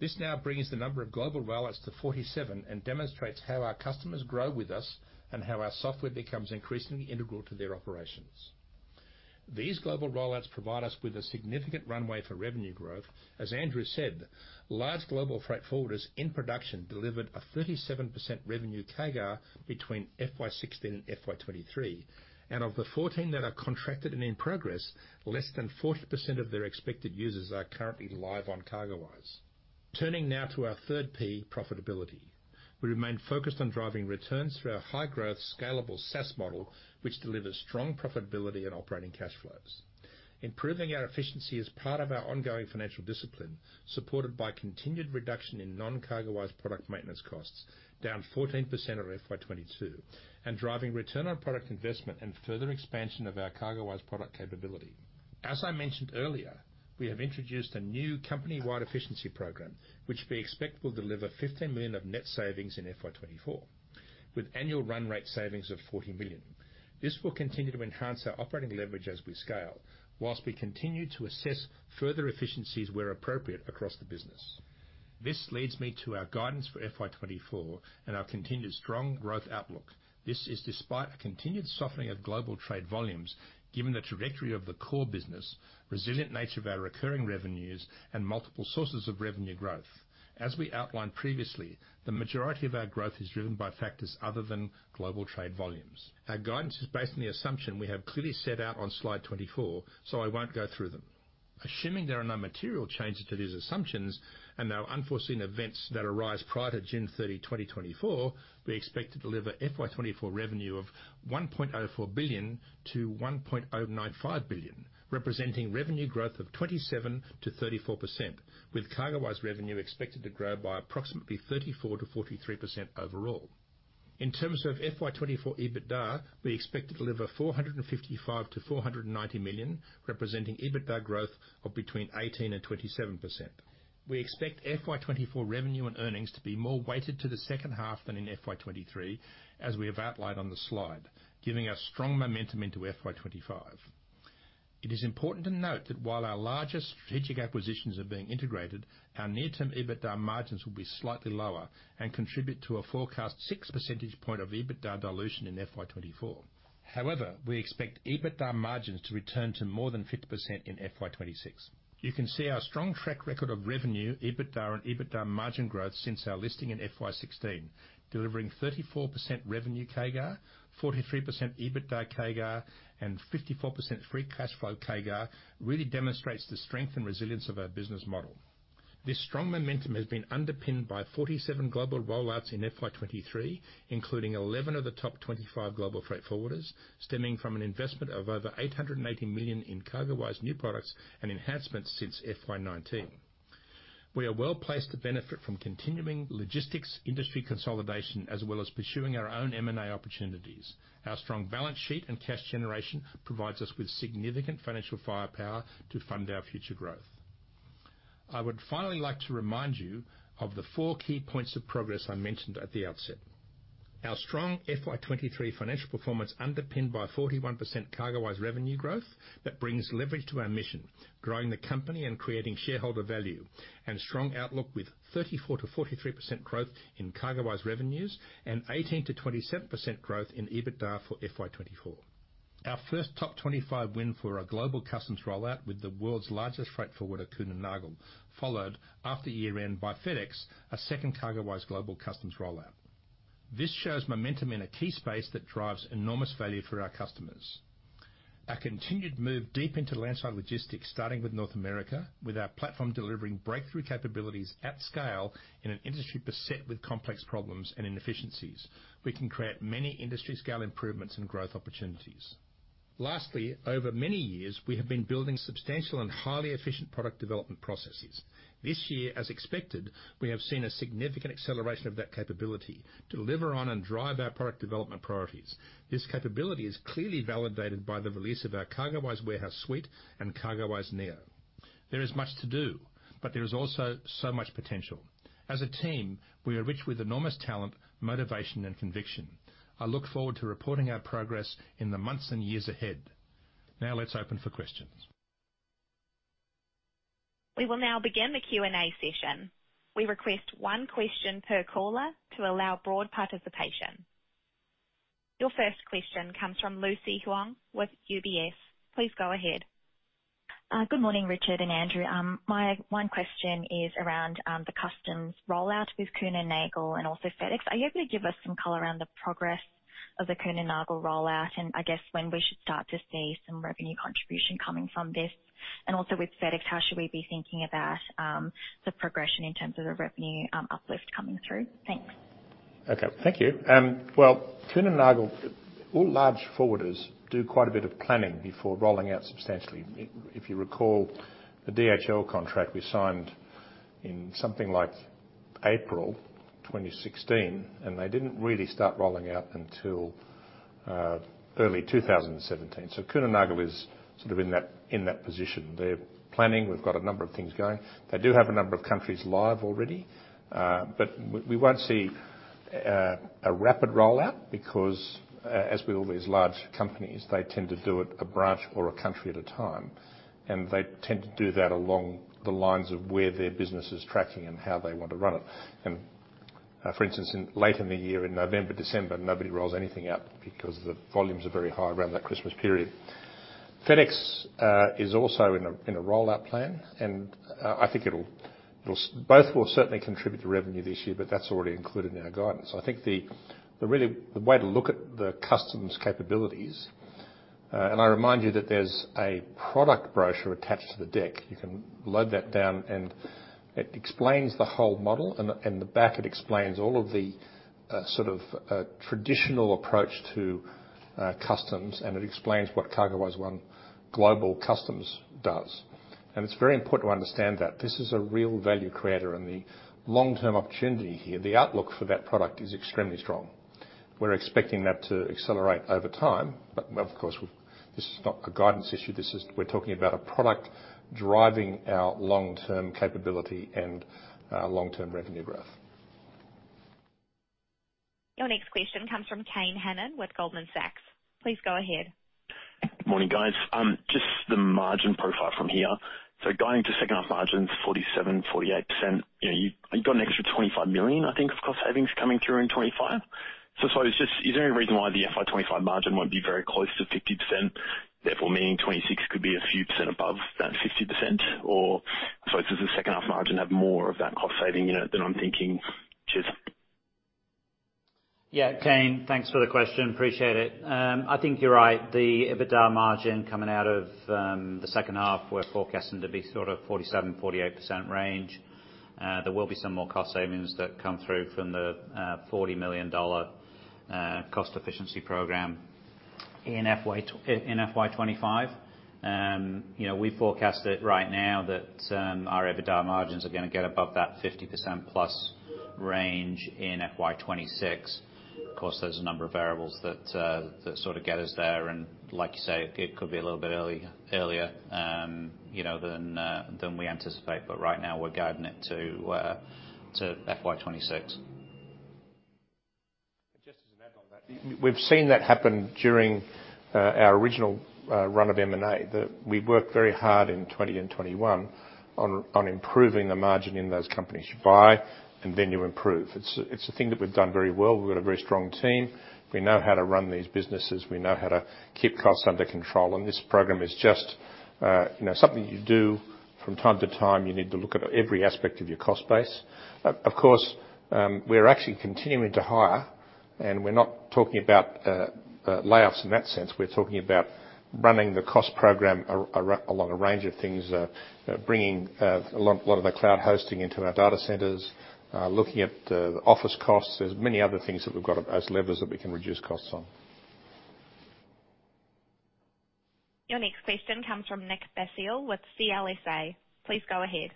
This now brings the number of global rollouts to 47 and demonstrates how our customers grow with us and how our software becomes increasingly integral to their operations. These global rollouts provide us with a significant runway for revenue growth. As Andrew said, large global freight forwarders in production delivered a 37% revenue CAGR between FY 2016 and FY 2023, and of the 14 that are contracted and in progress, less than 40% of their expected users are currently live on CargoWise. Turning now to our third P, profitability. We remain focused on driving returns through our high-growth, scalable SaaS model, which delivers strong profitability and operating cash flows. Improving our efficiency is part of our ongoing financial discipline, supported by continued reduction in non-CargoWise product maintenance costs, down 14% over FY 2022, and driving return on product investment and further expansion of our CargoWise product capability. As I mentioned earlier, we have introduced a new company-wide efficiency program, which we expect will deliver 15 million of net savings in FY 2024, with annual run rate savings of 40 million. This will continue to enhance our operating leverage as we scale, while we continue to assess further efficiencies where appropriate across the business. This leads me to our guidance for FY 2024 and our continued strong growth outlook. This is despite a continued softening of global trade volumes, given the trajectory of the core business, resilient nature of our recurring revenues, and multiple sources of revenue growth. As we outlined previously, the majority of our growth is driven by factors other than global trade volumes. Our guidance is based on the assumption we have clearly set out on slide 24, so I won't go through them. Assuming there are no material changes to these assumptions, and no unforeseen events that arise prior to June 30, 2024, we expect to deliver FY2024 revenue of AUD 1.04 billion-AUD 1.095 billion, representing revenue growth of 27%-34%, with CargoWise revenue expected to grow by approximately 34%-43% overall. In terms of FY2024 EBITDA, we expect to deliver 455 million-490 million, representing EBITDA growth of between 18% and 27%. We expect FY2024 revenue and earnings to be more weighted to the second half than in FY2023, as we have outlined on the slide, giving us strong momentum into FY2025. It is important to note that while our largest strategic acquisitions are being integrated, our near-term EBITDA margins will be slightly lower and contribute to a forecast 6 percentage point of EBITDA dilution in FY 2024. However, we expect EBITDA margins to return to more than 50% in FY 2026. You can see our strong track record of revenue, EBITDA and EBITDA margin growth since our listing in FY 2016, delivering 34% revenue CAGR, 43% EBITDA CAGR, and 54% free cash flow CAGR really demonstrates the strength and resilience of our business model. This strong momentum has been underpinned by 47 global rollouts in FY 2023, including 11 of the top 25 global freight forwarders, stemming from an investment of over 880 million in CargoWise new products and enhancements since FY 2019. We are well-placed to benefit from continuing logistics industry consolidation, as well as pursuing our own M&A opportunities. Our strong balance sheet and cash generation provides us with significant financial firepower to fund our future growth. I would finally like to remind you of the four key points of progress I mentioned at the outset. Our strong FY 2023 financial performance, underpinned by 41% CargoWise revenue growth, that brings leverage to our mission, growing the company and creating shareholder value. Strong outlook with 34%-43% growth in CargoWise revenues and 18%-27% growth in EBITDA for FY 2024. Our first top 25 win for our global customs rollout with the world's largest freight forwarder, Kuehne+Nagel, followed after year-end by FedEx, a second CargoWise Global Customs rollout. This shows momentum in a key space that drives enormous value for our customers. Our continued move deep into landside logistics, starting with North America, with our platform delivering breakthrough capabilities at scale in an industry beset with complex problems and inefficiencies. We can create many industry scale improvements and growth opportunities. Lastly, over many years, we have been building substantial and highly efficient product development processes. This year, as expected, we have seen a significant acceleration of that capability to deliver on and drive our product development priorities. This capability is clearly validated by the release of our CargoWise Warehouse Suite and CargoWise Neo. There is much to do, but there is also so much potential. As a team, we are rich with enormous talent, motivation, and conviction. I look forward to reporting our progress in the months and years ahead. Now, let's open for questions. We will now begin the Q&A session. We request one question per caller to allow broad participation. Your first question comes from Lucy Huang with UBS. Please go ahead. Good morning, Richard and Andrew. My one question is around the customs rollout with Kuehne+Nagel and also FedEx. Are you able to give us some color around the progress of the Kuehne+Nagel rollout, and I guess when we should start to see some revenue contribution coming from this? Also with FedEx, how should we be thinking about the progression in terms of the revenue uplift coming through? Thanks. Okay. Thank you. Well, Kuehne+Nagel, all large forwarders do quite a bit of planning before rolling out substantially. If you recall, the DHL contract we signed in something like April 2016, and they didn't really start rolling out until early 2017. Kuehne+Nagel is sort of in that, in that position. They're planning. We've got a number of things going. They do have a number of countries live already, but we won't see a rapid rollout because as with all these large companies, they tend to do it a branch or a country at a time, and they tend to do that along the lines of where their business is tracking and how they want to run it. For instance, in late in the year, in November, December, nobody rolls anything out because the volumes are very high around that Christmas period. FedEx is also in a rollout plan, and I think Both will certainly contribute to revenue this year, but that's already included in our guidance. I think the way to look at the customs capabilities, and I remind you that there's a product brochure attached to the deck. You can load that down, and it explains the whole model, and, and the back, it explains all of the, sort of, traditional approach to customs, and it explains what CargoWise Global Customs does. It's very important to understand that this is a real value creator and the long-term opportunity here, the outlook for that product is extremely strong. We're expecting that to accelerate over time, but, of course, this is not a guidance issue. This is, we're talking about a product driving our long-term capability and long-term revenue growth. Your next question comes from Kane Hannan with Goldman Sachs. Please go ahead. Good morning, guys. Just the margin profile from here. Going to second half margins, 47%-48%, you know, you've got an extra 25 million, I think, of cost savings coming through in 2025. Sorry, is just, is there any reason why the FY 2025 margin won't be very close to 50%, therefore, meaning 2026 could be a few % above that 50%? Does the second half margin have more of that cost saving, you know, than I'm thinking? Cheers. Yeah, Kane, thanks for the question. Appreciate it. I think you're right. The EBITDA margin coming out of the second half, we're forecasting to be sort of 47%-48% range. There will be some more cost savings that come through from the 40 million dollar cost efficiency program in FY 2025. You know, we forecast it right now that our EBITDA margins are gonna get above that 50%+ range in FY 2026. Of course, there's a number of variables that that sort of get us there, and like you say, it could be a little bit early, earlier, you know, than than we anticipate. Right now, we're guiding it to FY 2026.... We've, we've seen that happen during our original run of M&A, that we worked very hard in 2020 and 2021 on, on improving the margin in those companies. You buy and then you improve. It's, it's a thing that we've done very well. We've got a very strong team. We know how to run these businesses. We know how to keep costs under control, and this program is just, you know, something you do from time to time. You need to look at every aspect of your cost base. Of, of course, we're actually continuing to hire, and we're not talking about layoffs in that sense. We're talking about running the cost program along a range of things, bringing a lot, a lot of the cloud hosting into our data centers, looking at the office costs. There's many other things that we've got as levers that we can reduce costs on. Your next question comes from Nick Basile with CLSA. Please go ahead.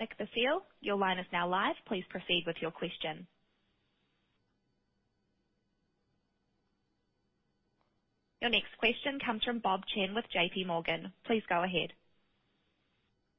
Nick Basile, your line is now live. Please proceed with your question. Your next question comes from Bob Chen with JPMorgan. Please go ahead.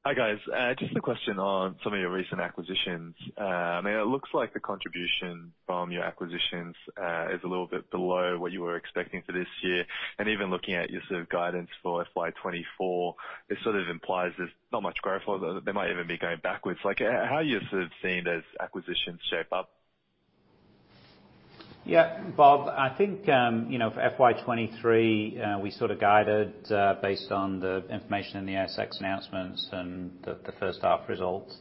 Hi, guys. Just a question on some of your recent acquisitions. I mean, it looks like the contribution from your acquisitions, is a little bit below what you were expecting for this year, and even looking at your sort of guidance for FY 2024, it sort of implies there's not much growth or they might even be going backwards. Like, how are you sort of seeing those acquisitions shape up? Bob, I think, you know, for FY 2023, we sort of guided, based on the information in the ASX announcements and the first half results.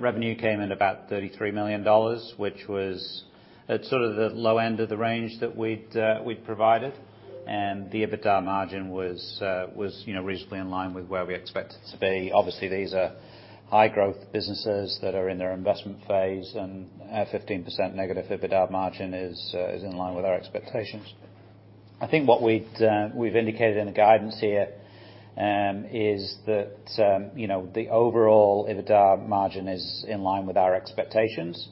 Revenue came in about 33 million dollars, which was at sort of the low end of the range that we'd provided, and the EBITDA margin was, you know, reasonably in line with where we expected it to be. Obviously, these are high growth businesses that are in their investment phase, and a 15% negative EBITDA margin is in line with our expectations. I think what we'd, we've indicated in the guidance here, is that, you know, the overall EBITDA margin is in line with our expectations.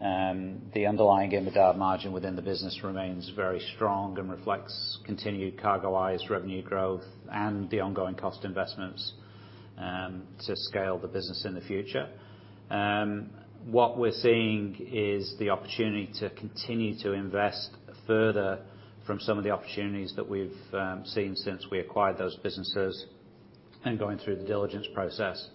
The underlying EBITDA margin within the business remains very strong and reflects continued CargoWise revenue growth and the ongoing cost investments to scale the business in the future. What we're seeing is the opportunity to continue to invest further from some of the opportunities that we've seen since we acquired those businesses and going through the diligence process.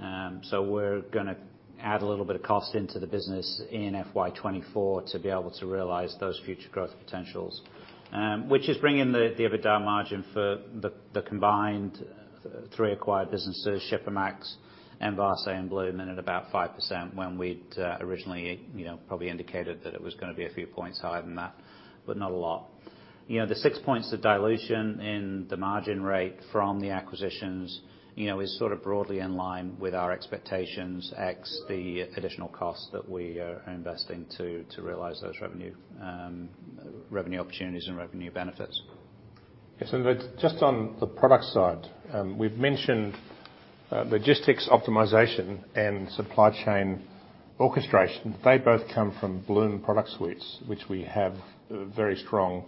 We're gonna add a little bit of cost into the business in FY 2024 to be able to realize those future growth potentials, which is bringing the, the EBITDA margin for the, the combined three acquired businesses, Shipamax, Envase, and Bloom, in at about 5%, when we'd originally, you know, probably indicated that it was gonna be a few points higher than that, but not a lot. You know, the 6 points of dilution in the margin rate from the acquisitions, you know, is sort of broadly in line with our expectations, ex the additional costs that we are investing to, to realize those revenue opportunities and revenue benefits. Yes, just on the product side, we've mentioned logistics optimization and supply chain orchestration. They both come from Blume product suites, which we have a very strong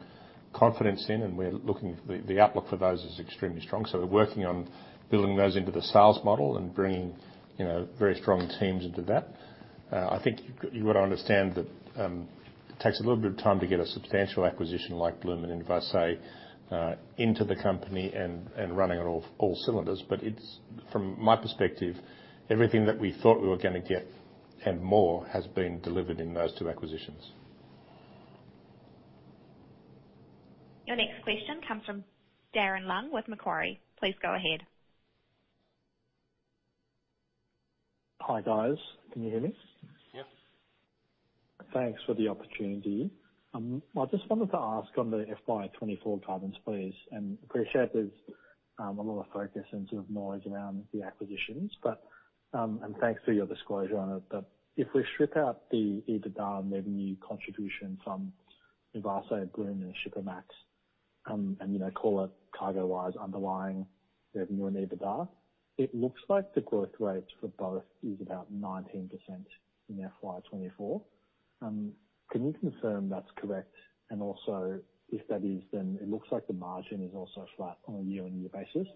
confidence in, and the outlook for those is extremely strong. We're working on building those into the sales model and bringing, you know, very strong teams into that. I think you've got to understand that it takes a little bit of time to get a substantial acquisition like Blume and Envase into the company and running on all cylinders. It's. From my perspective, everything that we thought we were gonna get, and more, has been delivered in those two acquisitions. Your next question comes from Darren Leung with Macquarie. Please go ahead. Hi, guys. Can you hear me? Yeah. Thanks for the opportunity. I just wanted to ask on the FY 2024 guidance, please, appreciate there's a lot of focus and sort of noise around the acquisitions, thanks for your disclosure on it. If we strip out the EBITDA and revenue contribution from Envase, Blume, and Shipamax, and, you know, call it CargoWise underlying revenue and EBITDA, it looks like the growth rate for both is about 19% in FY 2024. Can you confirm that's correct? Also, if that is, then it looks like the margin is also flat on a year-on-year basis.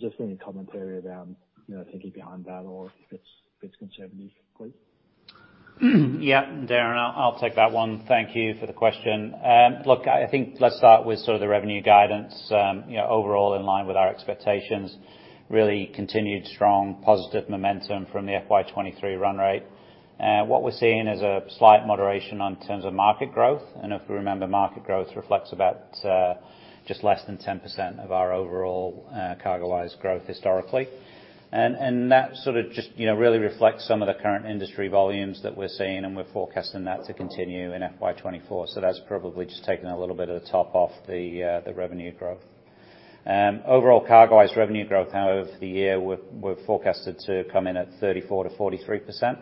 Just any commentary around, you know, thinking behind that, or if it's, if it's conservative, please. Yeah, Darren, I'll, I'll take that one. Thank you for the question. Look, I think let's start with sort of the revenue guidance. You know, overall in line with our expectations, really continued strong, positive momentum from the FY 2023 run rate. What we're seeing is a slight moderation on terms of market growth, and if we remember, market growth reflects about just less than 10% of our overall CargoWise growth historically. And that sort of just, you know, really reflects some of the current industry volumes that we're seeing, and we're forecasting that to continue in FY 2024. That's probably just taking a little bit of the top off the revenue growth. Overall CargoWise revenue growth, however, for the year, we're, we're forecasted to come in at 34%-43%.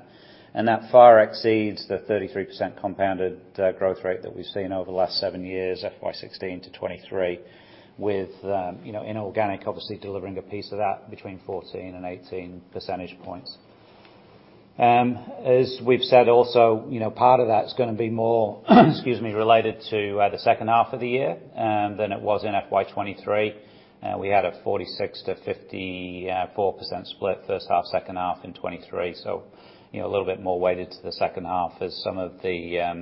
That far exceeds the 33% compounded growth rate that we've seen over the last seven years, FY 2016 to 2023, with, you know, inorganic obviously delivering a piece of that, between 14 and 18 percentage points. As we've said also, you know, part of that's gonna be more, excuse me, related to the second half of the year than it was in FY 2023. We had a 46%-54% split, first half, second half in 2023. You know, a little bit more weighted to the second half as some of the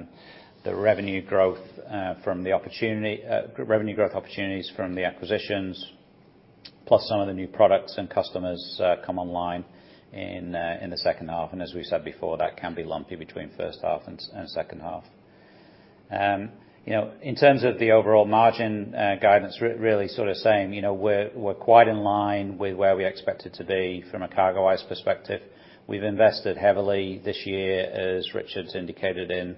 revenue growth from the opportunity revenue growth opportunities from the acquisitions, plus some of the new products and customers, come online in the second half. As we said before, that can be lumpy between first half and second half. You know, in terms of the overall margin guidance, really sort of same. You know, we're quite in line with where we expected to be from a CargoWise perspective. We've invested heavily this year, as Richard's indicated in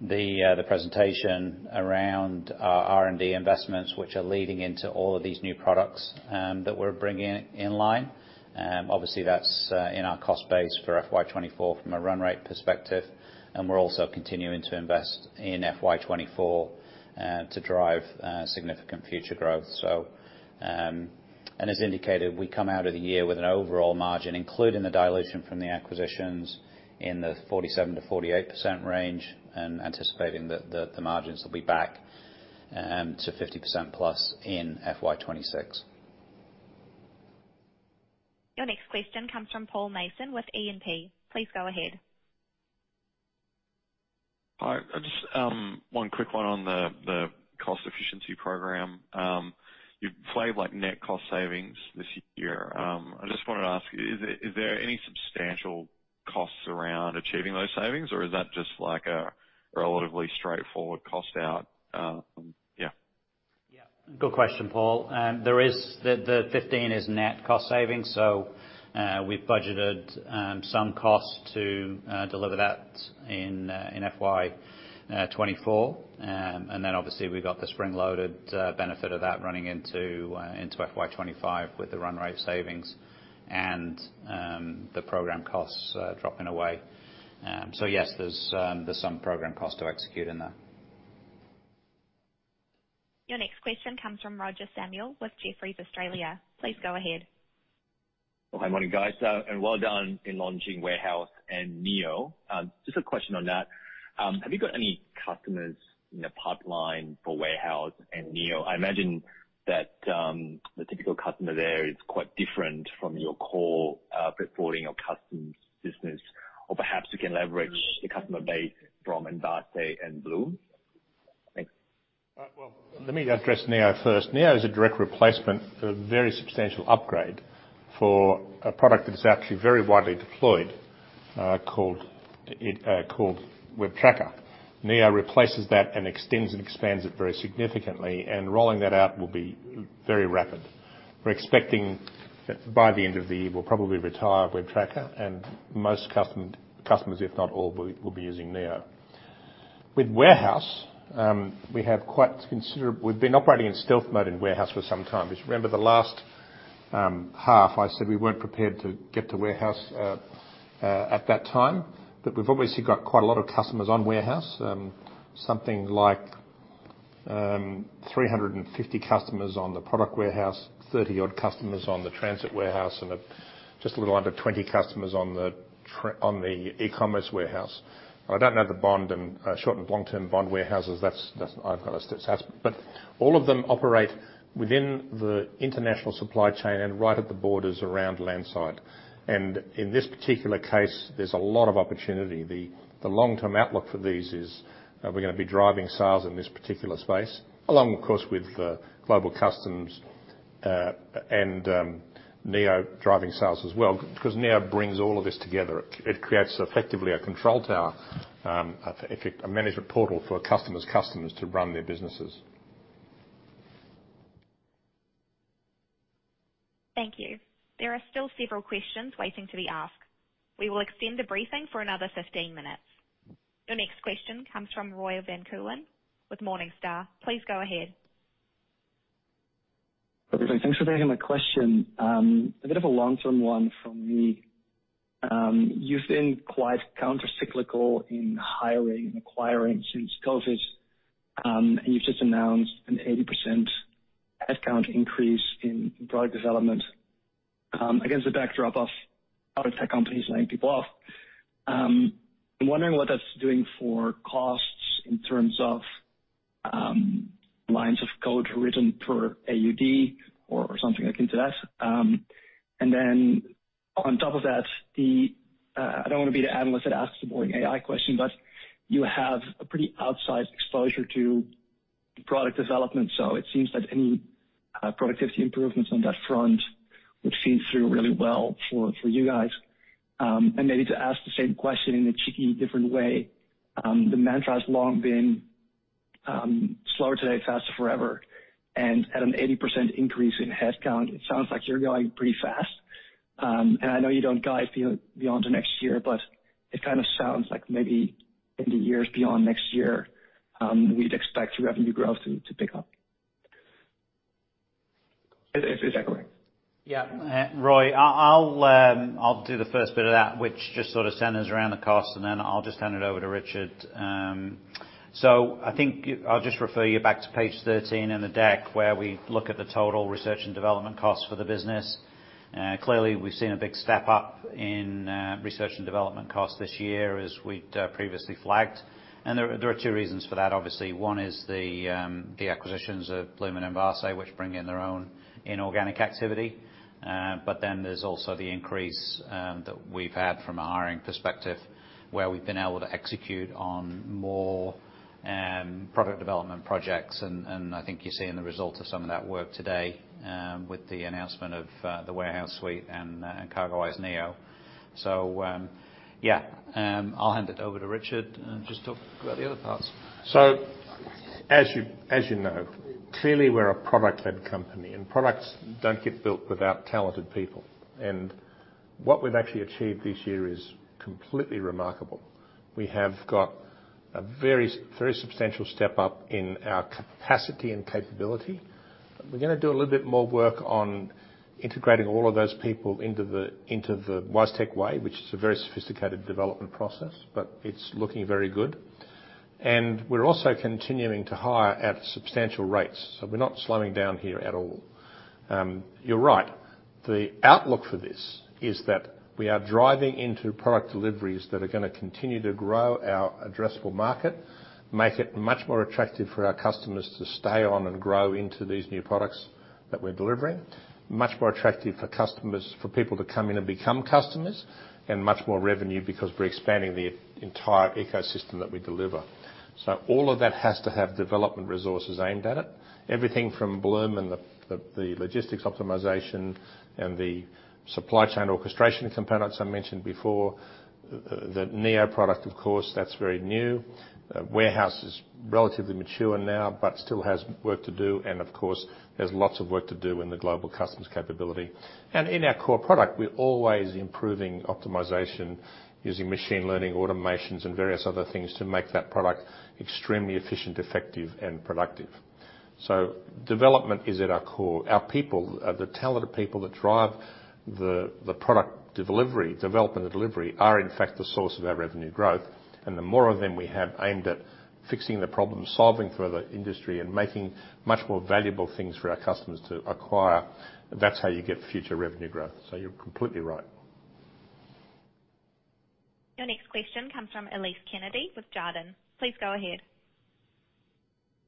the presentation, around our R&D investments, which are leading into all of these new products that we're bringing in line. Obviously, that's in our cost base for FY 2024 from a run rate perspective, and we're also continuing to invest in FY 2024 to drive significant future growth. As indicated, we come out of the year with an overall margin, including the dilution from the acquisitions in the 47%-48% range, and anticipating that the margins will be back to 50%+ in FY 2026. Your next question comes from Paul Mason with E&P. Please go ahead. Hi, I just, one quick one on the, the cost efficiency program. You've flagged like net cost savings this year. I just wanted to ask, is there, is there any substantial costs around achieving those savings, or is that just like a relatively straightforward cost out? Yeah. Yeah, good question, Paul. There is the, the 15 is net cost savings, so, we've budgeted, some costs to, deliver that in, in FY, 2024. Then obviously we've got the spring-loaded, benefit of that running into, into FY 2025 with the run rate savings and, the program costs, dropping away. Yes, there's some program costs to execute in that. Your next question comes from Roger Samuel with Jefferies Australia. Please go ahead. Well, hi, morning, guys, well done in launching Warehouse and Neo. Just a question on that. Have you got any customers in the pipeline for Warehouse and Neo? I imagine that the typical customer there is quite different from your core, reporting or customs business, or perhaps you can leverage the customer base from Envase and Blume. Thanks. Well, let me address Neo first. Neo is a direct replacement for a very substantial upgrade for a product that is actually very widely deployed, called WebTracker. Neo replaces that and extends and expands it very significantly, and rolling that out will be very rapid. We're expecting that by the end of the year, we'll probably retire WebTracker, and most customers, if not all, will, will be using Neo. With Warehouse, we've been operating in stealth mode in Warehouse for some time. Because remember the last half, I said we weren't prepared to get to Warehouse at that time, but we've obviously got quite a lot of customers on Warehouse. Something like 350 customers on the product warehouse, 30-odd customers on the transit warehouse, and just a little under 20 customers on the e-commerce warehouse. I don't know the bond and short and long-term bond warehouses. I've got a stats, all of them operate within the international supply chain and right at the borders around landside. In this particular case, there's a lot of opportunity. The long-term outlook for these is, we're gonna be driving sales in this particular space, along of course, with the global customs, and Neo driving sales as well, because Neo brings all of this together. It creates effectively a control tower, a management portal for a customer's customers to run their businesses. Thank you. There are still several questions waiting to be asked. We will extend the briefing for another 15 minutes. Your next question comes from Roy van Keulen with Morningstar. Please go ahead. Okay. Thanks for taking my question. A bit of a long-term one from me. You've been quite countercyclical in hiring and acquiring since COVID, and you've just announced an 80% headcount increase in product development, against the backdrop of other tech companies laying people off. I'm wondering what that's doing for costs in terms of lines of code written per AUD or, or something akin to that. And then on top of that, the, I don't want to be the analyst that asks the boring AI question, but you have a pretty outsized exposure to product development, so it seems that any productivity improvements on that front would feed through really well for, for you guys. Maybe to ask the same question in a cheeky different way, the mantra has long been, slower today, faster forever. At an 80% increase in headcount, it sounds like you're going pretty fast. I know you don't guide beyond the next year, but it kind of sounds like maybe in the years beyond next year, we'd expect your revenue growth to, to pick up. Is that correct? Yeah, Roy, I'll do the first bit of that, which just sort of centers around the cost, and then I'll just hand it over to Richard. I think I'll just refer you back to page 13 in the deck, where we look at the total research and development costs for the business. Clearly, we've seen a big step up in research and development costs this year, as we'd previously flagged. There, there are two reasons for that, obviously. One is the acquisitions of Bloom and Blume, which bring in their own inorganic activity. Then there's also the increase that we've had from a hiring perspective, where we've been able to execute on more product development projects. I think you're seeing the result of some of that work today, with the announcement of the Warehouse Suite and CargoWise Neo. Yeah, I'll hand it over to Richard, and just talk about the other parts. As you, as you know, clearly, we're a product-led company, and products don't get built without talented people. What we've actually achieved this year is completely remarkable. We have got a very, very substantial step up in our capacity and capability. We're gonna do a little bit more work on integrating all of those people into the, into the WiseTech way, which is a very sophisticated development process, but it's looking very good. We're also continuing to hire at substantial rates, so we're not slowing down here at all. You're right. The outlook for this is that we are driving into product deliveries that are gonna continue to grow our addressable market, make it much more attractive for our customers to stay on and grow into these new products that we're delivering. Much more attractive for customers, for people to come in and become customers, much more revenue because we're expanding the entire ecosystem that we deliver. All of that has to have development resources aimed at it. Everything from Bloom and the logistics optimization and the supply chain orchestration components I mentioned before. The Neo product, of course, that's very new. Warehouse is relatively mature now but still has work to do, and of course, there's lots of work to do in the global customs capability. In our core product, we're always improving optimization using machine learning, automations, and various other things to make that product extremely efficient, effective, and productive. Development is at our core. Our people, the talented people that drive the product delivery, development and delivery, are in fact, the source of our revenue growth. The more of them we have aimed at fixing the problem, solving for the industry, and making much more valuable things for our customers to acquire, that's how you get future revenue growth. You're completely right. Your next question comes from Elise Kennedy with Jarden. Please go ahead.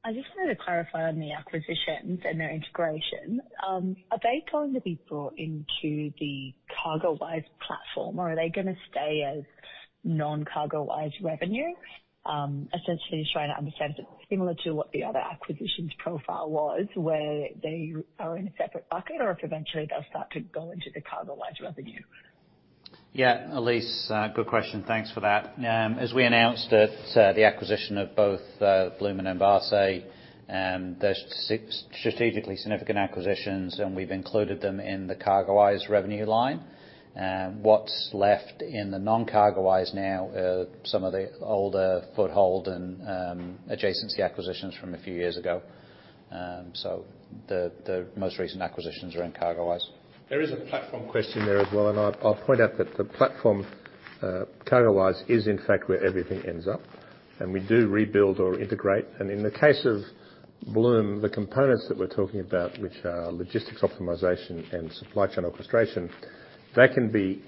I just wanted to clarify on the acquisitions and their integration. Are they going to be brought into the CargoWise platform, or are they gonna stay as non-CargoWise revenue? Essentially just trying to understand, similar to what the other acquisitions profile was, where they are in a separate bucket, or if eventually they'll start to go into the CargoWise revenue. Yeah, Elise, good question. Thanks for that. As we announced at the acquisition of both Bloom and Envase, they're strategically significant acquisitions, and we've included them in the CargoWise revenue line. What's left in the non-CargoWise now are some of the older foothold and adjacency acquisitions from a few years ago. The most recent acquisitions are in CargoWise. There is a platform question there as well, and I'll, I'll point out that the platform, CargoWise, is in fact where everything ends up, and we do rebuild or integrate. In the case of Bloom, the components that we're talking about, which are logistics optimization and supply chain orchestration, that can be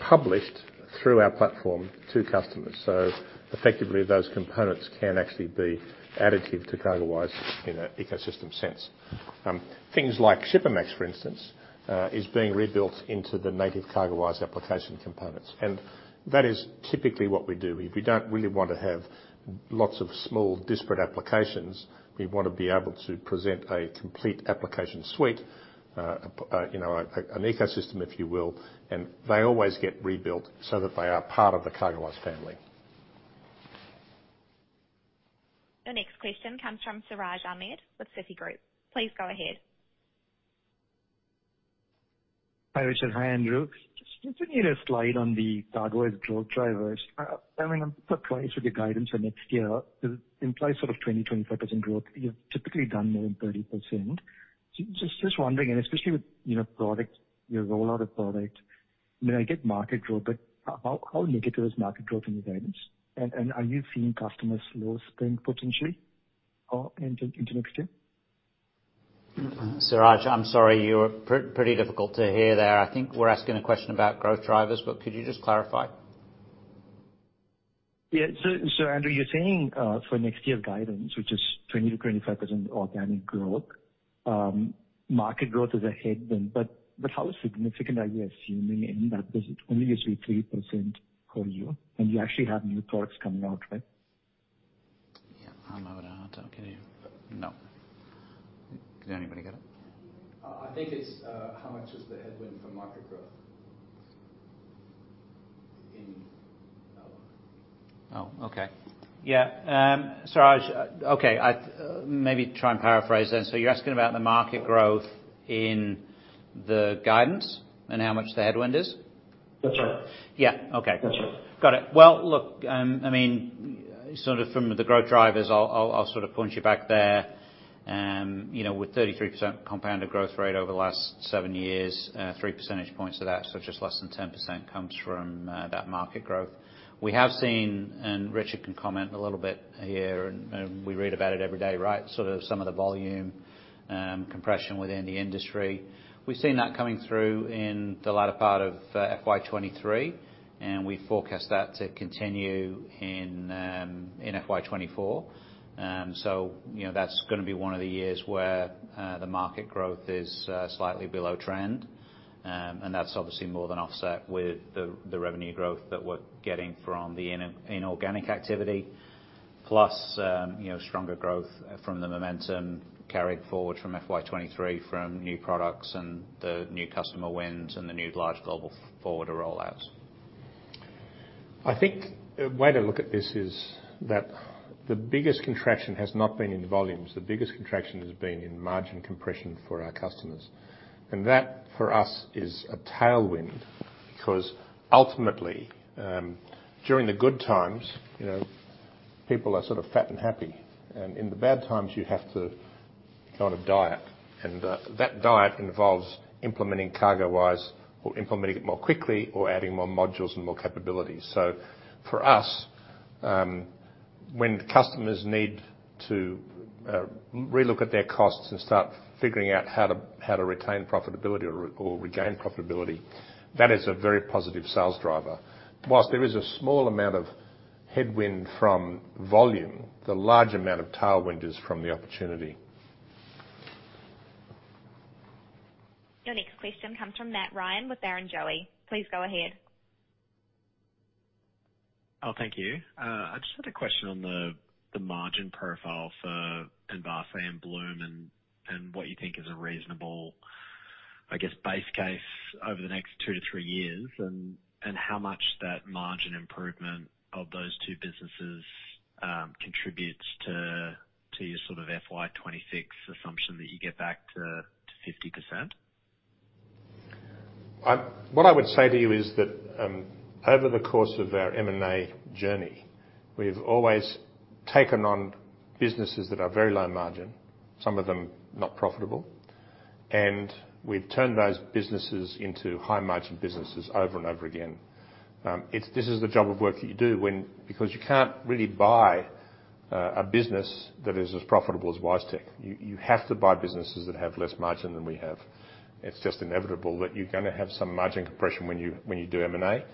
published through our platform to customers. Effectively, those components can actually be additive to CargoWise in an ecosystem sense. Things like Shipamax, for instance, is being rebuilt into the native CargoWise application components, and that is typically what we do. We don't really want to have lots of small, disparate applications. We want to be able to present a complete application suite, you know, an ecosystem, if you will, and they always get rebuilt so that they are part of the CargoWise family. The next question comes from Siraj Ahmed with Citigroup. Please go ahead. Hi, Richard. Hi, Andrew. Just, you need a slide on the CargoWise growth drivers. I mean, I'm surprised with the guidance for next year. It implies sort of 20%-25% growth. You've typically done more than 30%. Just wondering, and especially with, you know, product, your rollout of product. I mean, I get market growth, but how negative is market growth in your guidance? Are you seeing customers slow spend potentially or into next year? Siraj, I'm sorry. You're pretty difficult to hear there. I think we're asking a question about growth drivers, but could you just clarify? Yeah. So Andrew, you're saying, for next year guidance, which is 20%-25% organic growth, market growth is ahead then, but how significant are you assuming in that? Because it's only usually 3% per year, and you actually have new products coming out, right? Yeah, I'm out. I don't get it. No. Did anybody get it? I think it's, how much is the headwind for market growth in...? Oh, okay. Yeah. Siraj, okay, maybe try and paraphrase then. You're asking about the market growth the guidance and how much the headwind is? That's right. Yeah. Okay. That's right. Got it. Well, look, I mean, sort of from the growth drivers, I'll, I'll, I'll sort of point you back there. You know, with 33% compounded growth rate over the last seven years, 3 percentage points to that, so just less than 10% comes from that market growth. We have seen, and Richard can comment a little bit here, and, and we read about it every day, right? Sort of some of the volume, compression within the industry. We've seen that coming through in the latter part of FY 2023, and we forecast that to continue in FY 2024. You know, that's gonna be one of the years where the market growth is slightly below trend. That's obviously more than offset with the, the revenue growth that we're getting from the inorganic activity. Plus, you know, stronger growth from the momentum carrying forward from FY 2023 from new products and the new customer wins and the new large global forwarder rollouts. I think a way to look at this is that the biggest contraction has not been in the volumes. The biggest contraction has been in margin compression for our customers, and that, for us, is a tailwind. Ultimately, during the good times, you know, people are sort of fat and happy, and in the bad times, you have to go on a diet, and that diet involves implementing CargoWise or implementing it more quickly or adding more modules and more capabilities. For us, when customers need to relook at their costs and start figuring out how to, how to retain profitability or, or regain profitability, that is a very positive sales driver. Whilst there is a small amount of headwind from volume, the large amount of tailwind is from the opportunity. Your next question comes from Matthew Ryan with Barrenjoey. Please go ahead. Oh, thank you. I just had a question on the, the margin profile for Envase and Blume and, and what you think is a reasonable, I guess, base case over the next 2-3 years, and, and how much that margin improvement of those two businesses contributes to, to your sort of FY 2026 assumption that you get back to, to 50%? What I would say to you is that, over the course of our M&A journey, we've always taken on businesses that are very low margin, some of them not profitable, and we've turned those businesses into high-margin businesses over and over again. This is the job of work that you do when... Because you can't really buy a business that is as profitable as WiseTech. You, you have to buy businesses that have less margin than we have. It's just inevitable that you're gonna have some margin compression when you, when you do M&A.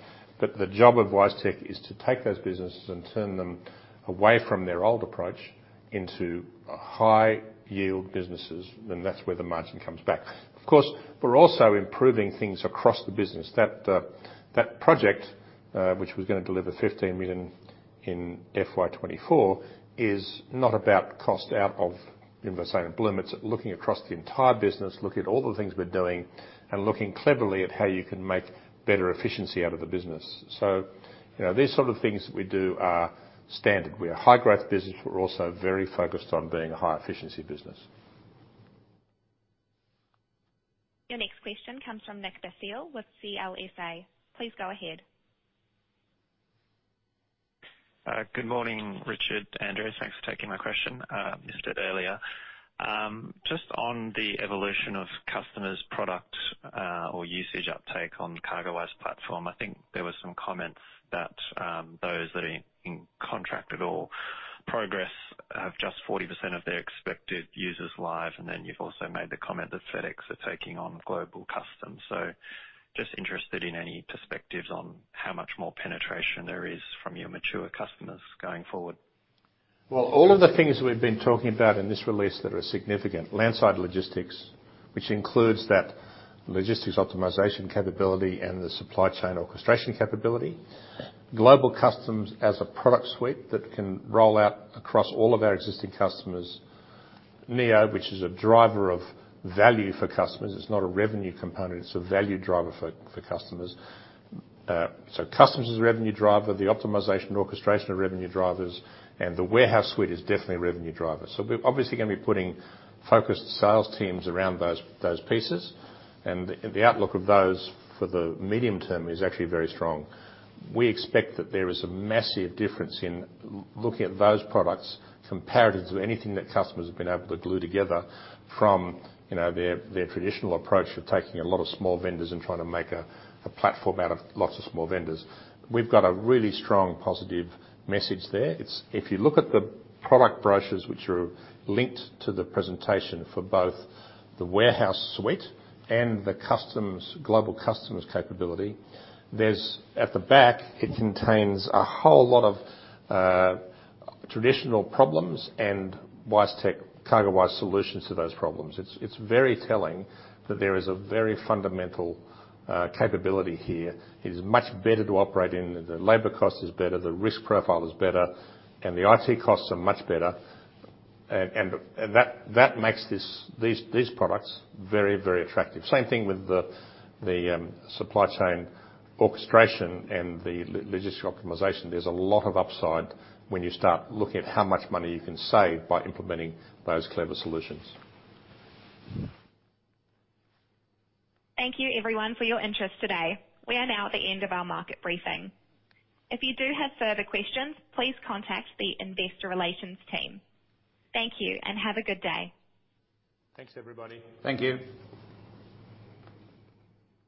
The job of WiseTech is to take those businesses and turn them away from their old approach into high-yield businesses, then that's where the margin comes back. Of course, we're also improving things across the business. That, that project, which was gonna deliver 15 million in FY 2024, is not about cost out of Envase and Bloom. It's looking across the entire business, looking at all the things we're doing, and looking cleverly at how you can make better efficiency out of the business. You know, these sort of things that we do are standard. We're a high-growth business, but we're also very focused on being a high-efficiency business. Your next question comes from Nick Basil with CLSA. Please go ahead. Good morning, Richard, Andrew. Thanks for taking my question, you said earlier. Just on the evolution of customers' product, or usage uptake on CargoWise platform, I think there were some comments that, those that are in, in contract at all, progress have just 40% of their expected users live. You've also made the comment that FedEx are taking on CargoWise Global Customs. Just interested in any perspectives on how much more penetration there is from your mature customers going forward. Well, all of the things we've been talking about in this release that are significant, Landside Logistics, which includes that logistics optimization capability and the supply chain orchestration capability. Global Customs as a product suite that can roll out across all of our existing customers. Neo, which is a driver of value for customers. It's not a revenue component; it's a value driver for, for customers. Customs is a revenue driver, the optimization and orchestration are revenue drivers, and the Warehouse Suite is definitely a revenue driver. We're obviously gonna be putting focused sales teams around those, those pieces, and the, the outlook of those for the medium term is actually very strong. We expect that there is a massive difference in looking at those products compared to anything that customers have been able to glue together from, you know, their, their traditional approach of taking a lot of small vendors and trying to make a, a platform out of lots of small vendors. We've got a really strong positive message there. It's. If you look at the product brochures, which are linked to the presentation for both the Warehouse Suite and the customs, Global Customs capability. At the back, it contains a whole lot of traditional problems and CargoWise solutions to those problems. It's, it's very telling that there is a very fundamental capability here. It is much better to operate in. The labor cost is better, the risk profile is better, and the IT costs are much better, and that makes these products very, very attractive. Same thing with the, the, supply chain orchestration and the logistic optimization. There's a lot of upside when you start looking at how much money you can save by implementing those clever solutions. Thank you, everyone, for your interest today. We are now at the end of our market briefing. If you do have further questions, please contact the investor relations team. Thank you, and have a good day. Thanks, everybody. Thank you.